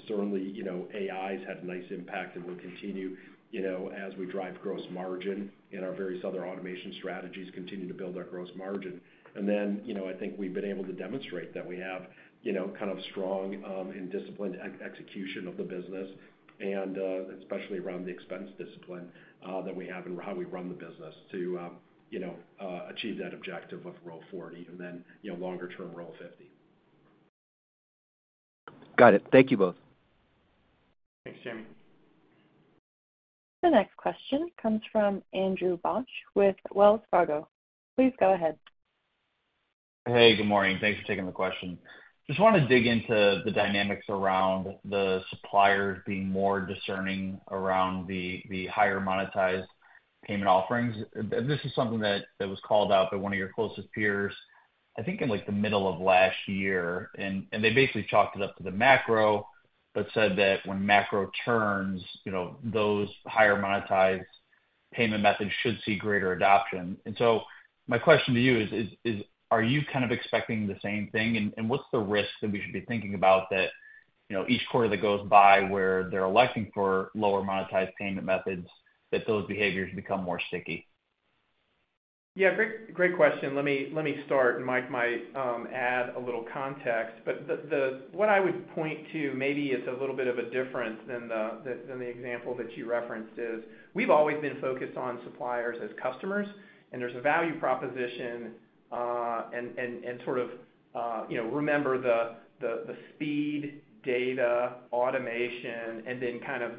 Certainly, you know, AI has had a nice impact, and will continue, you know, as we drive gross margin and our various other automation strategies continue to build our gross margin. And then, you know, I think we've been able to demonstrate that we have, you know, kind of strong, and disciplined execution of the business, and, especially around the expense discipline, that we have and how we run the business to, you know, achieve that objective of Rule of 40, and then, you know, longer-term, Rule of 50. Got it. Thank you both. Thanks, Jamie. The next question comes from Andrew Bauch with Wells Fargo. Please go ahead. Hey, good morning. Thanks for taking the question. Just want to dig into the dynamics around the suppliers being more discerning around the higher monetized payment offerings. This is something that was called out by one of your closest peers. I think in like the middle of last year, and they basically chalked it up to the macro, but said that when macro turns, you know, those higher monetized payment methods should see greater adoption. And so my question to you is: Are you kind of expecting the same thing? And what's the risk that we should be thinking about that, you know, each quarter that goes by where they're electing for lower monetized payment methods, that those behaviors become more sticky? Yeah, great, great question. Let me start, and Mike might add a little context. But what I would point to, maybe it's a little bit of a difference than the example that you referenced, is we've always been focused on suppliers as customers, and there's a value proposition, and sort of, you know, remember the speed, data, automation, and then kind of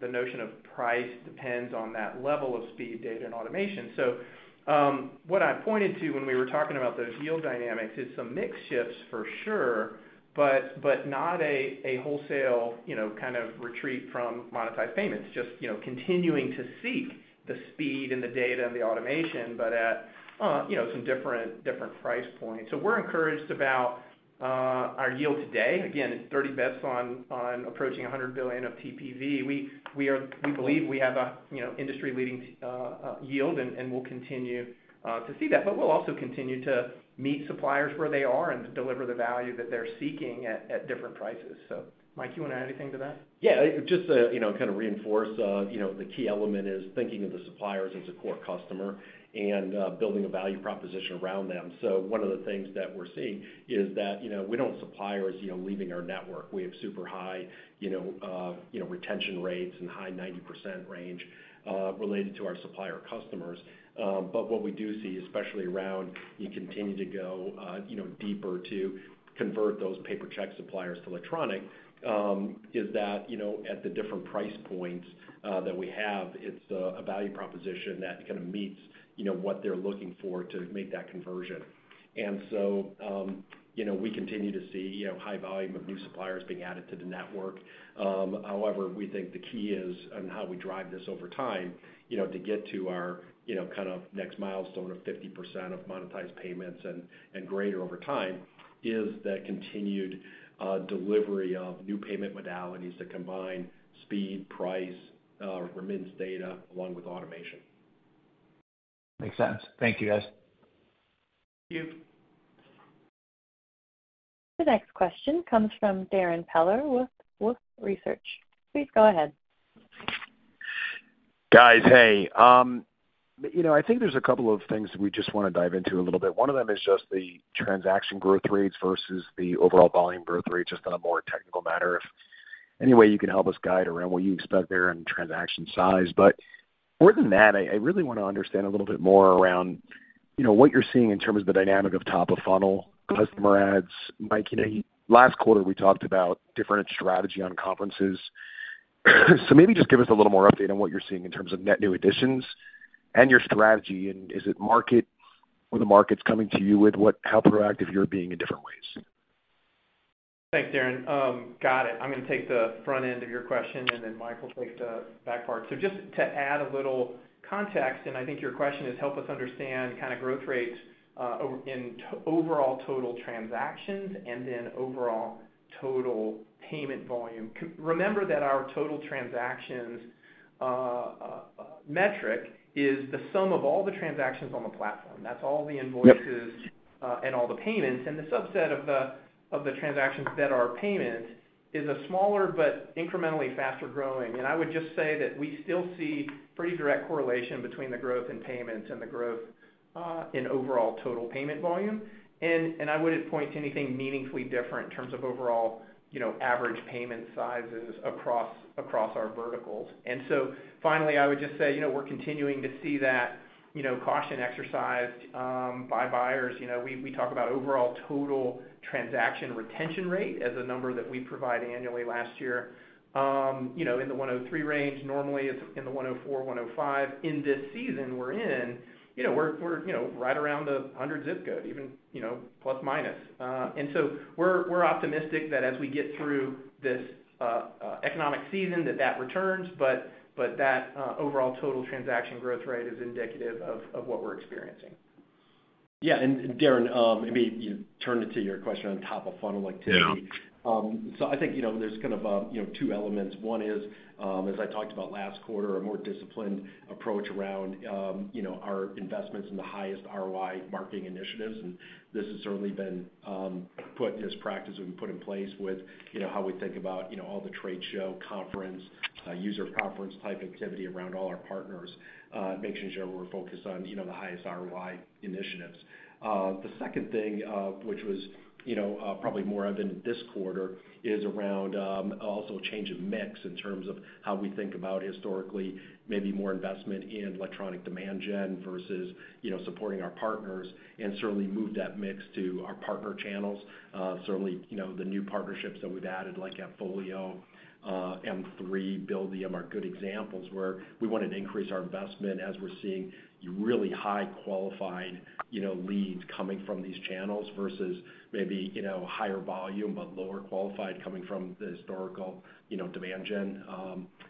the notion of price depends on that level of speed, data, and automation. So, what I pointed to when we were talking about those yield dynamics is some mix shifts for sure, but not a wholesale, you know, kind of retreat from monetized payments, just, you know, continuing to seek the speed and the data and the automation, but at, you know, some different price points. So we're encouraged about our yield today. Again, it's 30 bps on approaching $100 billion of TPV. We believe we have a, you know, industry-leading yield, and we'll continue to see that. But we'll also continue to meet suppliers where they are and to deliver the value that they're seeking at different prices. So Mike, you wanna add anything to that? Yeah, just to, you know, kind of reinforce, you know, the key element is thinking of the suppliers as a core customer and, building a value proposition around them. So one of the things that we're seeing is that, you know, we don't have suppliers, you know, leaving our network. We have super high, you know, retention rates and high 90% range, related to our supplier customers. But what we do see, especially around you continue to go, you know, deeper to convert those paper check suppliers to electronic, is that, you know, at the different price points, that we have, it's a value proposition that kind of meets, you know, what they're looking for to make that conversion. And so, you know, we continue to see, you know, high volume of new suppliers being added to the network. However, we think the key is on how we drive this over time, you know, to get to our, you know, kind of next milestone of 50% of monetized payments and greater over time is that continued delivery of new payment modalities that combine speed, price, remittance data, along with automation. Makes sense. Thank you, guys. Thank you. The next question comes from Darrin Peller with Wolfe Research. Please go ahead. Guys, hey. You know, I think there's a couple of things that we just wanna dive into a little bit. One of them is just the transaction growth rates versus the overall volume growth rate, just on a more technical matter, if any way you can help us guide around what you expect there in transaction size. But more than that, I really wanna understand a little bit more around, you know, what you're seeing in terms of the dynamic of top of funnel, customer adds. Mike, you know, last quarter, we talked about different strategy on conferences. So maybe just give us a little more update on what you're seeing in terms of net new additions and your strategy, and is it market or the market's coming to you, with how proactive you're being in different ways? Thanks, Darrin. Got it. I'm gonna take the front end of your question, and then Mike will take the back part. So just to add a little context, and I think your question is, help us understand kind of growth rates in overall total transactions and then overall total payment volume. Remember that our total transactions metric is the sum of all the transactions on the platform. That's all the invoices- Yep and all the payments, and the subset of the transactions that are payment, is a smaller but incrementally faster growing. And I would just say that we still see pretty direct correlation between the growth in payments and the growth in overall total payment volume. And I wouldn't point to anything meaningfully different in terms of overall, you know, average payment sizes across our verticals. And so finally, I would just say, you know, we're continuing to see that, you know, caution exercised by buyers. You know, we talk about overall total transaction retention rate as a number that we provide annually last year, you know, in the 103 range. Normally, it's in the 104, 105. In this season we're in, you know, we're right around the 100 zip code, even, you know, plus minus. And so we're optimistic that as we get through this economic season, that returns, but that overall total transaction growth rate is indicative of what we're experiencing. Yeah, and Darrin, maybe you turned it to your question on top-of-funnel activity. Yeah. So I think, you know, there's kind of, you know, two elements. One is, as I talked about last quarter, a more disciplined approach around, you know, our investments in the highest ROI marketing initiatives, and this has certainly been put in practice and put in place with, you know, how we think about, you know, all the trade show, conference, user conference type activity around all our partners, making sure we're focused on, you know, the highest ROI initiatives. The second thing, which was, you know, probably more evident this quarter, is around also a change in mix in terms of how we think about historically, maybe more investment in electronic demand gen versus, you know, supporting our partners, and certainly move that mix to our partner channels. Certainly, you know, the new partnerships that we've added, like AppFolio, M3, Buildium are good examples where we want to increase our investment as we're seeing really high qualified, you know, leads coming from these channels versus maybe, you know, higher volume, but lower qualified coming from the historical, you know, demand gen,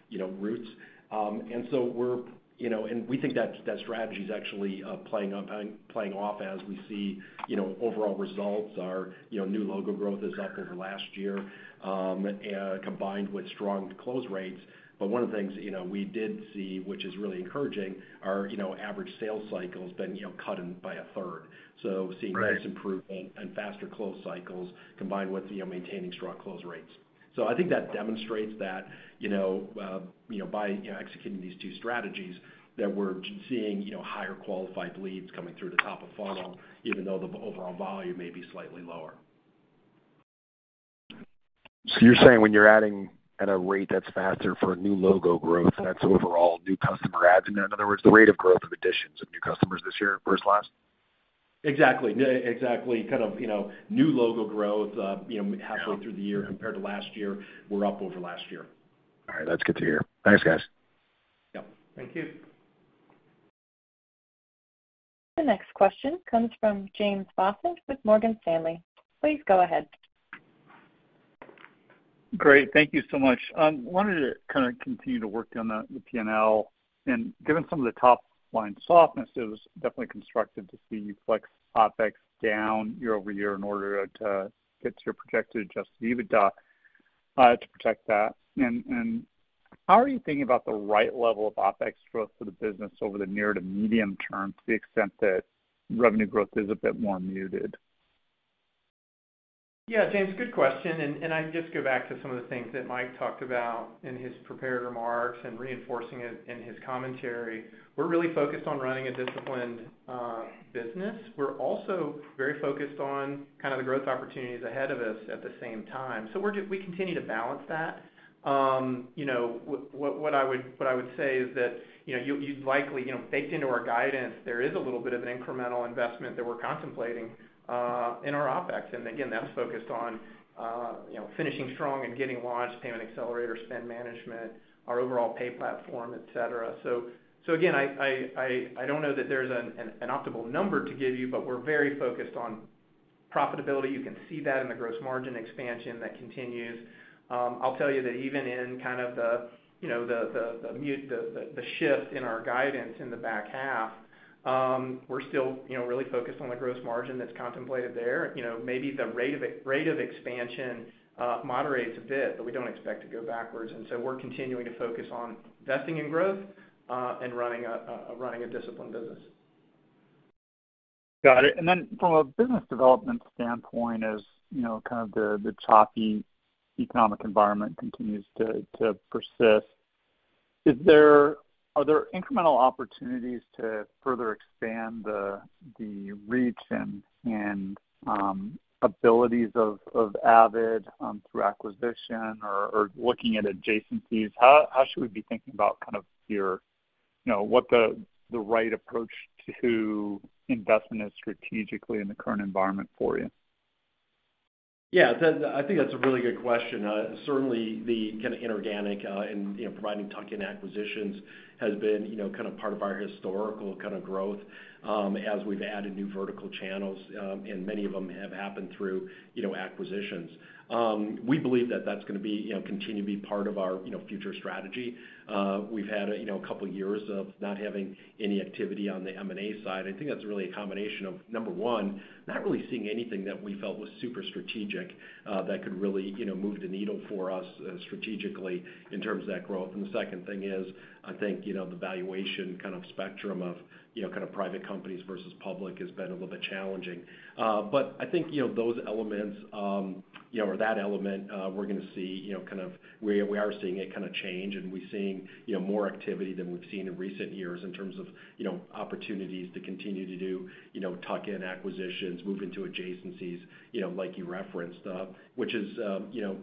you know, roots. And so, you know, and we think that, that strategy is actually, playing on, playing off as we see, you know, overall results. Our, you know, new logo growth is up over last year, combined with strong close rates. But one of the things, you know, we did see, which is really encouraging, are, you know, average sales cycles been, you know, cut in by a third. So seeing- Right Nice improvement and faster close cycles combined with, you know, maintaining strong close rates. So I think that demonstrates that, you know, you know, by executing these two strategies, that we're seeing, you know, higher qualified leads coming through the top of funnel, even though the overall volume may be slightly lower. You're saying when you're adding at a rate that's faster for a new logo growth, that's overall new customer adds? In other words, the rate of growth of additions of new customers this year versus last? Exactly. Exactly. Kind of, you know, new logo growth, you know, halfway through the year compared to last year, we're up over last year. All right. That's good to hear. Thanks, guys. Yep. Thank you. The next question comes from James Faucette with Morgan Stanley. Please go ahead. Great. Thank you so much. Wanted to kinda continue to work on the P&L, and given some of the top line softness, it was definitely constructive to see you flex OpEx down year-over-year in order to get to your projected adjusted EBITDA to protect that. And how are you thinking about the right level of OpEx growth for the business over the near to medium term, to the extent that revenue growth is a bit more muted? Yeah, James, good question, and I'd just go back to some of the things that Mike talked about in his prepared remarks and reinforcing it in his commentary. We're really focused on running a disciplined business. We're also very focused on kind of the growth opportunities ahead of us at the same time. So we continue to balance that. You know, what I would say is that, you know, you likely baked into our guidance, there is a little bit of an incremental investment that we're contemplating in our OpEx. And again, that's focused on you know, finishing strong and getting launched, Payment Accelerator, spend management, our overall pay platform, et cetera. So again, I don't know that there's an optimal number to give you, but we're very focused on profitability. You can see that in the gross margin expansion that continues. I'll tell you that even in kind of the, you know, the muted shift in our guidance in the back half, we're still, you know, really focused on the gross margin that's contemplated there. You know, maybe the rate of expansion moderates a bit, but we don't expect to go backwards. And so we're continuing to focus on investing in growth, and running a disciplined business. Got it. And then from a business development standpoint, as you know, kind of the choppy economic environment continues to persist, is there—are there incremental opportunities to further expand the reach and abilities of Avid through acquisition or looking at adjacencies? How should we be thinking about kind of your, you know, what the right approach to investment is strategically in the current environment for you? Yeah, that, I think that's a really good question. Certainly, the kind of inorganic, and, you know, providing tuck-in acquisitions has been, you know, kind of part of our historical kind of growth, as we've added new vertical channels, and many of them have happened through, you know, acquisitions. We believe that that's gonna be, you know, continue to be part of our, you know, future strategy. We've had, you know, a couple of years of not having any activity on the M&A side. I think that's really a combination of, number one, not really seeing anything that we felt was super strategic, that could really, you know, move the needle for us, strategically in terms of that growth. The second thing is, I think, you know, the valuation kind of spectrum of, you know, kind of private companies versus public has been a little bit challenging. But I think, you know, those elements, or that element, we are seeing it kind of change, and we're seeing, you know, more activity than we've seen in recent years in terms of, you know, opportunities to continue to do, you know, tuck-in acquisitions, move into adjacencies, you know, like you referenced. Which is, you know,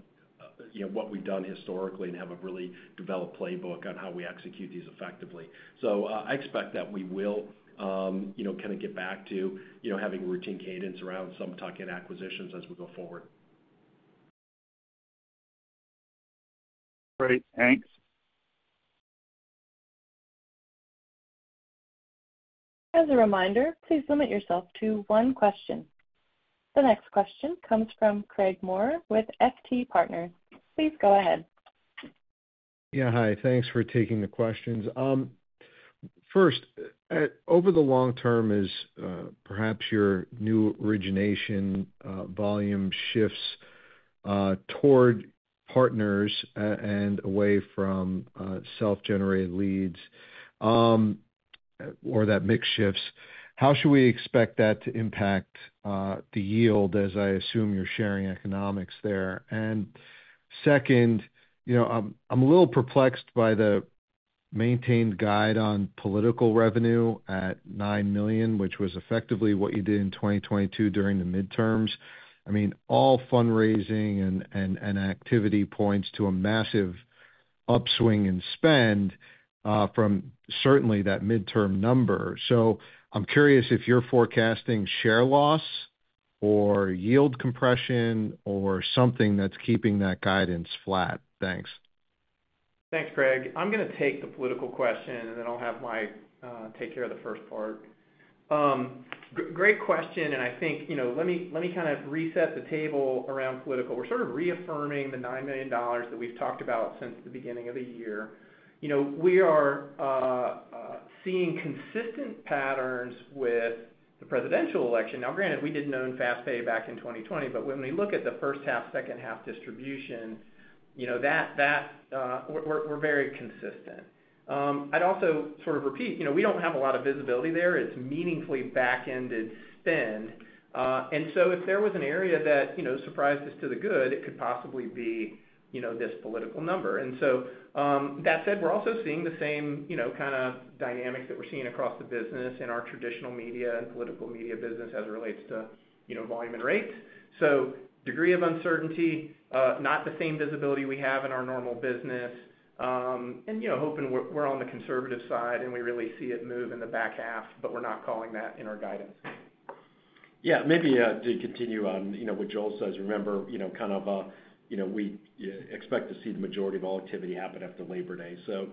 what we've done historically and have a really developed playbook on how we execute these effectively. So, I expect that we will, you know, kind of get back to, you know, having routine cadence around some tuck-in acquisitions as we go forward. Great. Thanks. As a reminder, please limit yourself to one question. The next question comes from Craig Maurer with FT Partners. Please go ahead. Yeah, hi. Thanks for taking the questions. First, over the long term, as perhaps your new origination volume shifts toward partners and away from self-generated leads, or that mix shifts, how should we expect that to impact the yield, as I assume you're sharing economics there? And second, you know, I'm a little perplexed by the maintained guide on political revenue at $9 million, which was effectively what you did in 2022 during the midterms. I mean, all fundraising and activity points to a massive upswing in spend from certainly that midterm number. So I'm curious if you're forecasting share loss or yield compression or something that's keeping that guidance flat? Thanks. Thanks, Craig. I'm gonna take the political question, and then I'll have Mike take care of the first part. Great question, and I think, you know, let me, let me kind of reset the table around political. We're sort of reaffirming the $9 million that we've talked about since the beginning of the year. You know, we are seeing consistent patterns with the presidential election. Now, granted, we didn't own FastPay back in 2020, but when we look at the first half, second half distribution, you know, that, that we're, we're very consistent. I'd also sort of repeat, you know, we don't have a lot of visibility there. It's meaningfully back-ended spend. And so if there was an area that, you know, surprised us to the good, it could possibly be, you know, this political number. And so, that said, we're also seeing the same, you know, kind of dynamics that we're seeing across the business in our traditional media and political media business as it relates to, you know, volume and rates. So, degree of uncertainty, not the same visibility we have in our normal business, and, you know, hoping we're on the conservative side, and we really see it move in the back half, but we're not calling that in our guidance. Yeah, maybe, to continue on, you know, kind of, you know, we expect to see the majority of all activity happen after Labor Day. So,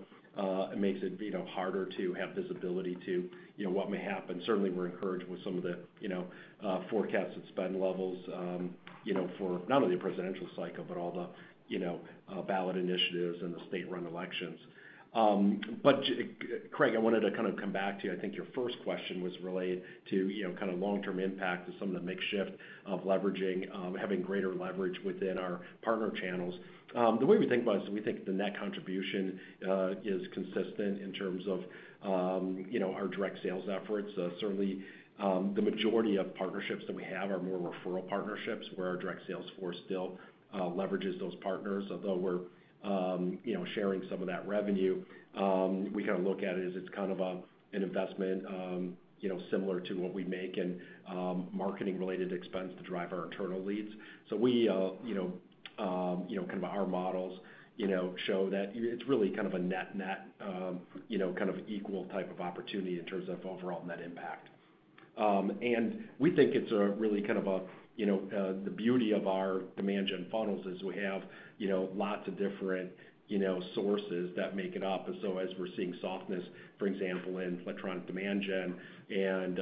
it makes it, you know, harder to have visibility to, you know, what may happen. Certainly, we're encouraged with some of the, you know, forecasts at spend levels, you know, for not only the presidential cycle, but all the, you know, ballot initiatives and the state-run elections. But, Craig, I wanted to kind of come back to you. I think your first question was related to, you know, kind of long-term impact of some ofmix shift of leveraging, having greater leverage within our partner channels. The way we think about it is we think the net contribution is consistent in terms of, you know, our direct sales efforts. Certainly, the majority of partnerships that we have are more referral partnerships, where our direct sales force still leverages those partners. Although we're, you know, sharing some of that revenue, we kind of look at it as it's kind of an investment, you know, similar to what we make in marketing-related expense to drive our internal leads. So we, you know, you know, kind of our models, you know, show that it's really kind of a net-net, you know, kind of equal type of opportunity in terms of overall net impact. And we think it's a really kind of a, you know... The beauty of our demand gen funnels is we have, you know, lots of different, you know, sources that make it up. And so as we're seeing softness, for example, in electronic demand gen and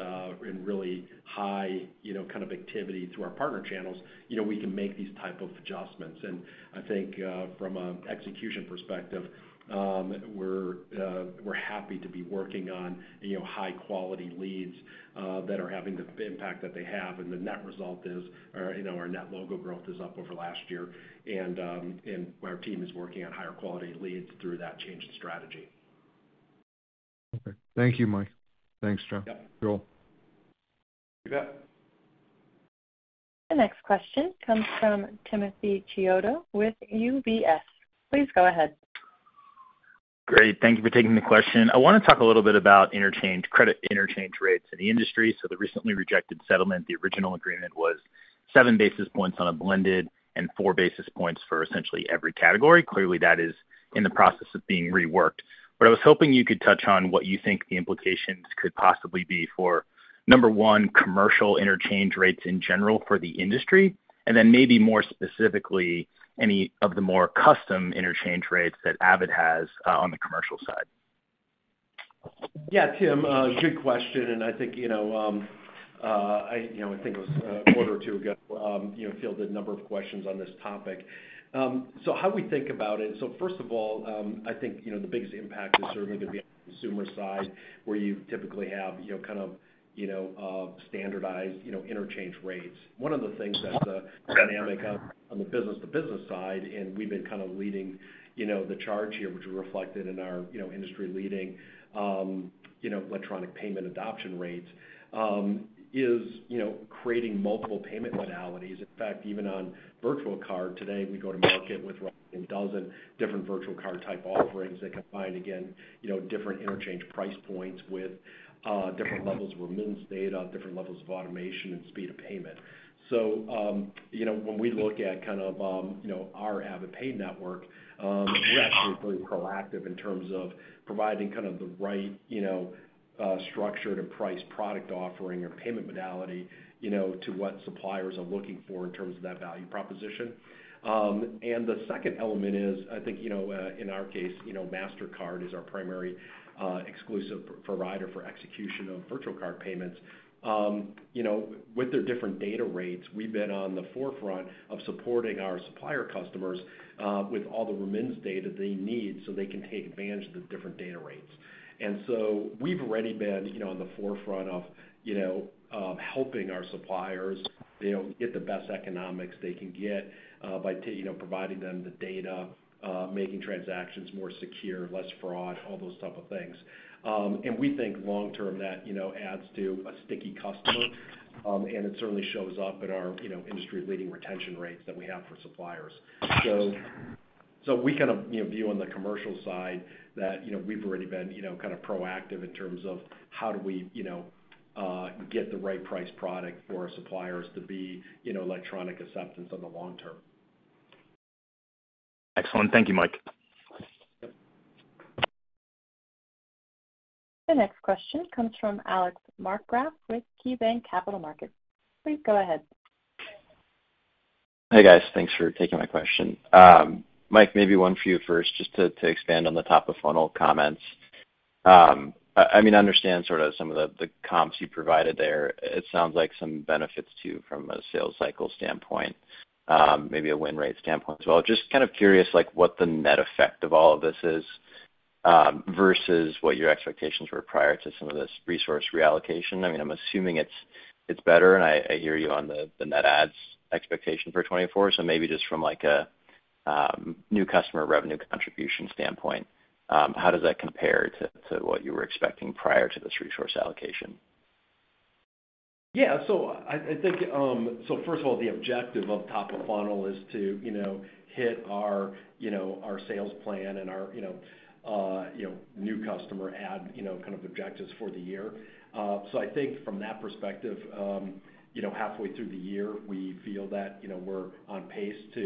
in really high, you know, kind of activity through our partner channels, you know, we can make these type of adjustments. And I think from an execution perspective, we're happy to be working on, you know, high-quality leads that are having the impact that they have, and the net result is, you know, our net logo growth is up over last year, and our team is working on higher quality leads through that change in strategy. Okay. Thank you, Mike. Thanks, Jeff. Yeah. Joel. You bet. The next question comes from Timothy Chiodo with UBS. Please go ahead. Great, thank you for taking the question. I want to talk a little bit about interchange, credit interchange rates in the industry. So the recently rejected settlement, the original agreement was seven basis points on a blended and four basis points for essentially every category. Clearly, that is in the process of being reworked. But I was hoping you could touch on what you think the implications could possibly be for, number one, commercial interchange rates in general for the industry, and then maybe more specifically, any of the more custom interchange rates that Avid has on the commercial side. Yeah, Tim, good question, and I think, you know, I think it was a quarter or two ago, you know, fielded a number of questions on this topic. So how we think about it—so first of all, I think, you know, the biggest impact is certainly going to be on the consumer side, where you typically have, you know, kind of, you know, standardized, you know, interchange rates. One of the things that's a dynamic on the business-to-business side, and we've been kind of leading, you know, the charge here, which is reflected in our, you know, industry-leading, you know, electronic payment adoption rates, is, you know, creating multiple payment modalities. In fact, even on virtual card today, we go to market with a dozen different virtual card type offerings that combine, again, you know, different interchange price points with different levels of remittance data, different levels of automation and speed of payment. So, you know, when we look at kind of, you know, our AvidPay Network, we're actually pretty proactive in terms of providing kind of the right, you know, structured and priced product offering or payment modality, you know, to what suppliers are looking for in terms of that value proposition. And the second element is, I think, you know, in our case, you know, Mastercard is our primary, exclusive provider for execution of virtual card payments. You know, with their different data rates, we've been on the forefront of supporting our supplier customers with all the remittance data they need, so they can take advantage of the different data rates. And so we've already been, you know, on the forefront of, you know, helping our suppliers, you know, get the best economics they can get by you know, providing them the data, making transactions more secure, less fraud, all those type of things. And we think long term that, you know, adds to a sticky customer, and it certainly shows up in our, you know, industry-leading retention rates that we have for suppliers. So, we kind of, you know, view on the commercial side that, you know, we've already been, you know, kind of proactive in terms of how do we, you know, get the right price product for our suppliers to be, you know, electronic acceptance on the long term. Excellent. Thank you, Mike. The next question comes from Alex Markgraff with KeyBanc Capital Markets. Please go ahead. Hey, guys, thanks for taking my question. Mike, maybe one for you first, just to expand on the top of funnel comments. I mean, I understand sort of some of the comps you provided there. It sounds like some benefits, too, from a sales cycle standpoint, maybe a win rate standpoint as well. Just kind of curious, like, what the net effect of all of this is, versus what your expectations were prior to some of this resource reallocation. I mean, I'm assuming it's better, and I hear you on the net ads expectation for 2024. So maybe just from, like, a new customer revenue contribution standpoint, how does that compare to what you were expecting prior to this resource allocation? Yeah. So I think, so first of all, the objective of top of funnel is to, you know, hit our, you know, our sales plan and our, you know, you know, new customer add, you know, kind of objectives for the year. So I think from that perspective, you know, halfway through the year, we feel that, you know, we're on pace to,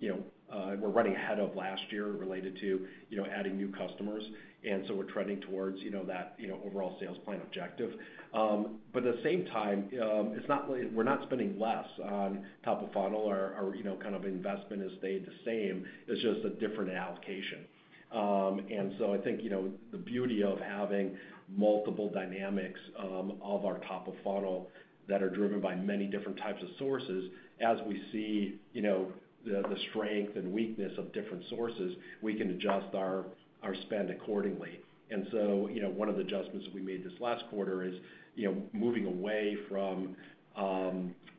you know, we're running ahead of last year related to, you know, adding new customers, and so we're trending towards, you know, that, you know, overall sales plan objective. But at the same time, it's not like we're not spending less on top of funnel. Our, you know, kind of investment has stayed the same. It's just a different allocation. And so I think, you know, the beauty of having multiple dynamics of our top of funnel that are driven by many different types of sources, as we see, you know, the strength and weakness of different sources, we can adjust our spend accordingly. And so, you know, one of the adjustments that we made this last quarter is, you know, moving away from,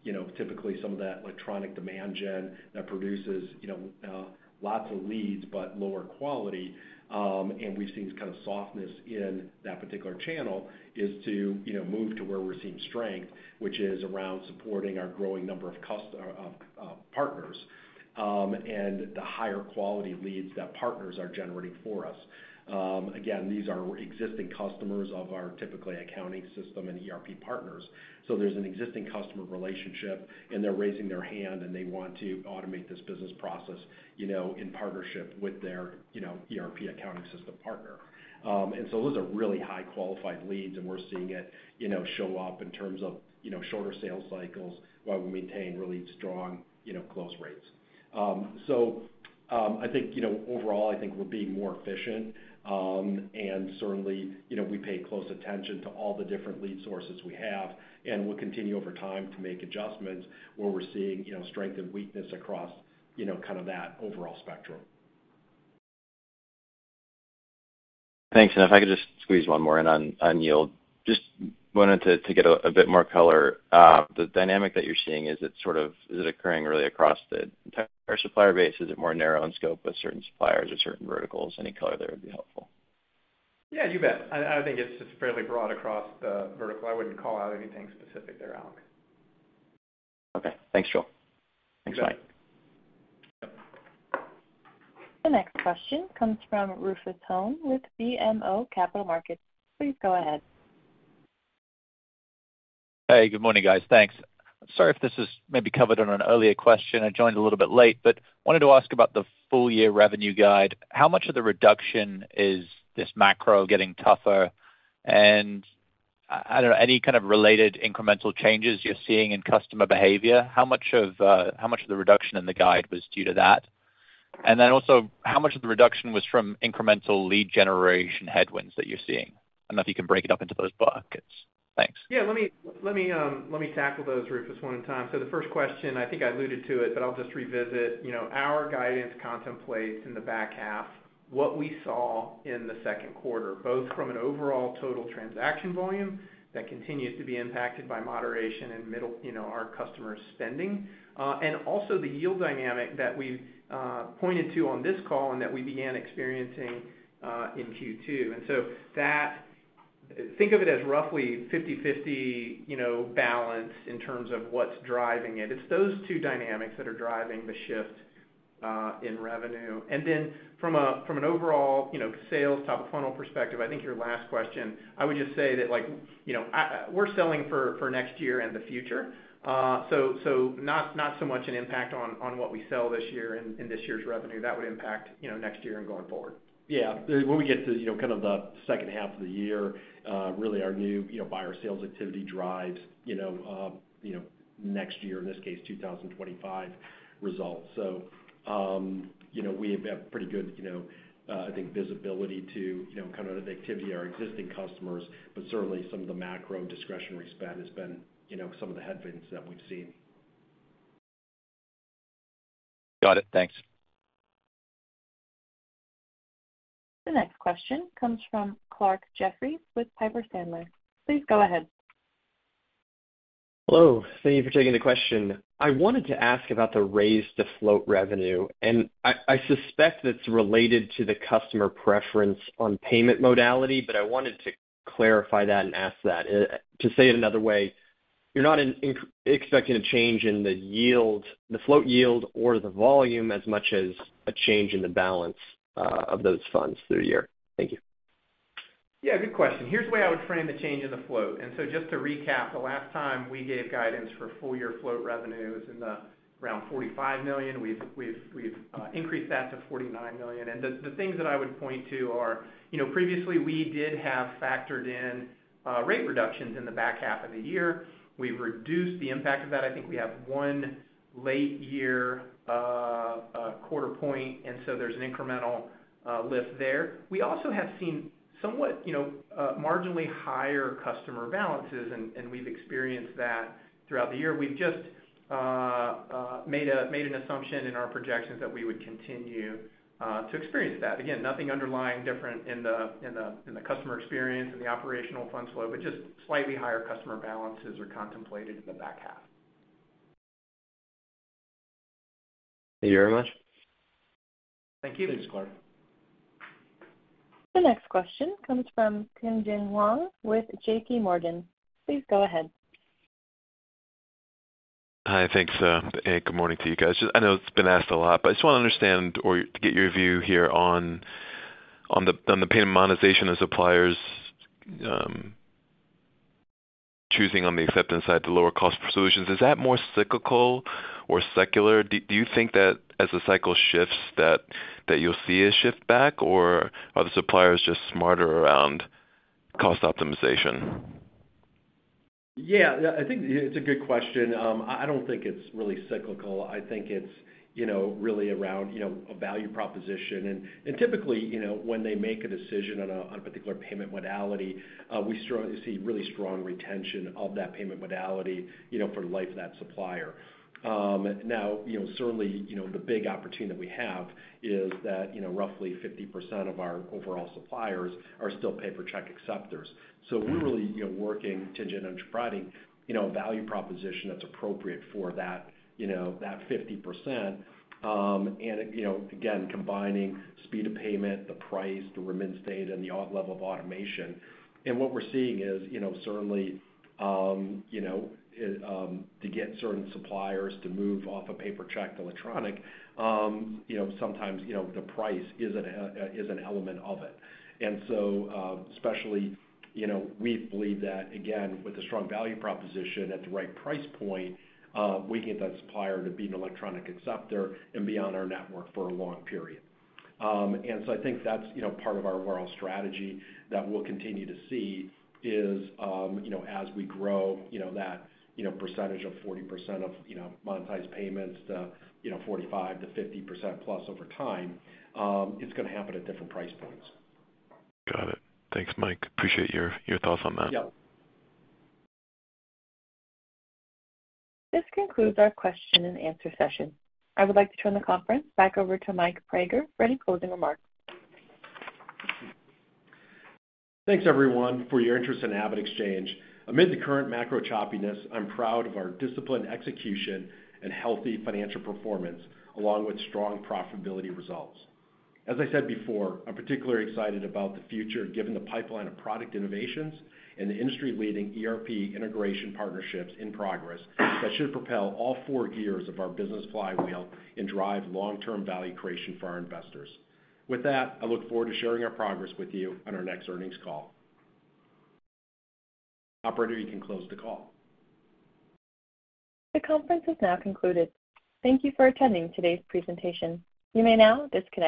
you know, typically some of that electronic demand gen that produces, you know, lots of leads, but lower quality. And we've seen this kind of softness in that particular channel is to, you know, move to where we're seeing strength, which is around supporting our growing number of customers of partners, and the higher quality leads that partners are generating for us. Again, these are existing customers of our typically accounting system and ERP partners. So there's an existing customer relationship, and they're raising their hand, and they want to automate this business process, you know, in partnership with their, you know, ERP Accounting System Partner. And so those are really highly qualified leads, and we're seeing it, you know, show up in terms of, you know, shorter sales cycles while we maintain really strong, you know, close rates. So, I think, you know, overall, I think we're being more efficient. And certainly, you know, we pay close attention to all the different lead sources we have, and we'll continue over time to make adjustments where we're seeing, you know, strength and weakness across, you know, kind of that overall spectrum. Thanks. If I could just squeeze one more in on yield. Just wanted to get a bit more color. The dynamic that you're seeing, is it sort of. Is it occurring really across the entire supplier base? Is it more narrow in scope with certain suppliers or certain verticals? Any color there would be helpful. Yeah, you bet. I think it's just fairly broad across the vertical. I wouldn't call out anything specific there, Alex. Okay. Thanks, Joel. Thanks, Mike. The next question comes from Rufus Hone with BMO Capital Markets. Please go ahead. Hey, good morning, guys. Thanks. Sorry if this is maybe covered on an earlier question. I joined a little bit late, but wanted to ask about the full year revenue guide. How much of the reduction is this macro getting tougher? And I, I don't know, any kind of related incremental changes you're seeing in customer behavior, how much of, how much of the reduction in the guide was due to that? And then also, how much of the reduction was from incremental lead generation headwinds that you're seeing? I don't know if you can break it up into those buckets. Thanks. Yeah, let me tackle those, Rufus, one at a time. So the first question, I think I alluded to it, but I'll just revisit. You know, our guidance contemplates in the back half what we saw in the second quarter, both from an overall total transaction volume that continues to be impacted by moderation and middle, you know, our customer spending, and also the yield dynamic that we've pointed to on this call and that we began experiencing in Q2. And so that. Think of it as roughly 50/50, you know, balance in terms of what's driving it. It's those two dynamics that are driving the shift in revenue. And then from an overall, you know, sales top of funnel perspective, I think your last question, I would just say that, like, you know, we're selling for next year and the future. So not so much an impact on what we sell this year and this year's revenue. That would impact, you know, next year and going forward. Yeah. When we get to, you know, kind of the second half of the year, really our new, you know, buyer sales activity drives, you know, next year, in this case, 2025 results. So, you know, we have pretty good, you know, I think visibility to, you know, kind of the activity our existing customers, but certainly some of the macro discretionary spend has been, you know, some of the headwinds that we've seen. Got it. Thanks. The next question comes from Clarke Jeffries with Piper Sandler. Please go ahead. Hello. Thank you for taking the question. I wanted to ask about the raise to float revenue, and I suspect it's related to the customer preference on payment modality, but I wanted to clarify that and ask that. To say it another way, you're not expecting a change in the yield, the float yield or the volume as much as a change in the balance of those funds through the year. Thank you. Yeah, good question. Here's the way I would frame the change in the float. So just to recap, the last time we gave guidance for full year float revenues in the around $45 million, we've increased that to $49 million. The things that I would point to are, you know, previously, we did have factored in rate reductions in the back half of the year. We've reduced the impact of that. I think we have one late year quarter point, and so there's an incremental lift there. We also have seen somewhat, you know, marginally higher customer balances, and we've experienced that throughout the year. We've just made an assumption in our projections that we would continue to experience that. Again, nothing underlying different in the customer experience, in the Operational Fund Flow, but just slightly higher customer balances are contemplated in the back half. Thank you very much. Thank you. Thanks, Clarke. The next question comes from Tien-tsin Huang with JPMorgan. Please go ahead. Hi, thanks, and good morning to you guys. I know it's been asked a lot, but I just want to understand or get your view here on the payment monetization of suppliers choosing on the acceptance side the lower cost solutions. Is that more cyclical or secular? Do you think that as the cycle shifts, that you'll see a shift back, or are the suppliers just smarter around cost optimization? Yeah, I think it's a good question. I don't think it's really cyclical. I think it's, you know, really around, you know, a value proposition. And typically, you know, when they make a decision on a particular payment modality, we strongly see really strong retention of that payment modality, you know, for the life of that supplier. Now, you know, certainly, you know, the big opportunity we have is that, you know, roughly 50% of our overall suppliers are still paper check acceptors. So we're really, you know, working to generate and providing, you know, a value proposition that's appropriate for that, you know, that 50%. And, you know, again, combining speed of payment, the price, the remittance data, and the au- level of automation. And what we're seeing is, you know, certainly, to get certain suppliers to move off a paper check to electronic, you know, sometimes, you know, the price is an element of it. And so, especially, you know, we believe that, again, with the strong value proposition at the right price point, we get that supplier to be an electronic acceptor and be on our network for a long period. And so I think that's, you know, part of our overall strategy that we'll continue to see is, you know, as we grow, you know, that, you know, percentage of 40% of, you know, monetized payments to, you know, 45%-50% plus over time, it's gonna happen at different price points. Got it. Thanks, Mike. Appreciate your thoughts on that. Yeah. This concludes our question and answer session. I would like to turn the conference back over to Mike Praeger for any closing remarks. Thanks, everyone, for your interest in AvidXchange. Amid the current macro choppiness, I'm proud of our disciplined execution and healthy financial performance, along with strong profitability results. As I said before, I'm particularly excited about the future, given the pipeline of product innovations and the industry-leading ERP integration partnerships in progress that should propel all four gears of our Business Flywheel and drive long-term value creation for our investors. With that, I look forward to sharing our progress with you on our next earnings call. Operator, you can close the call. The conference is now concluded. Thank you for attending today's presentation. You may now disconnect.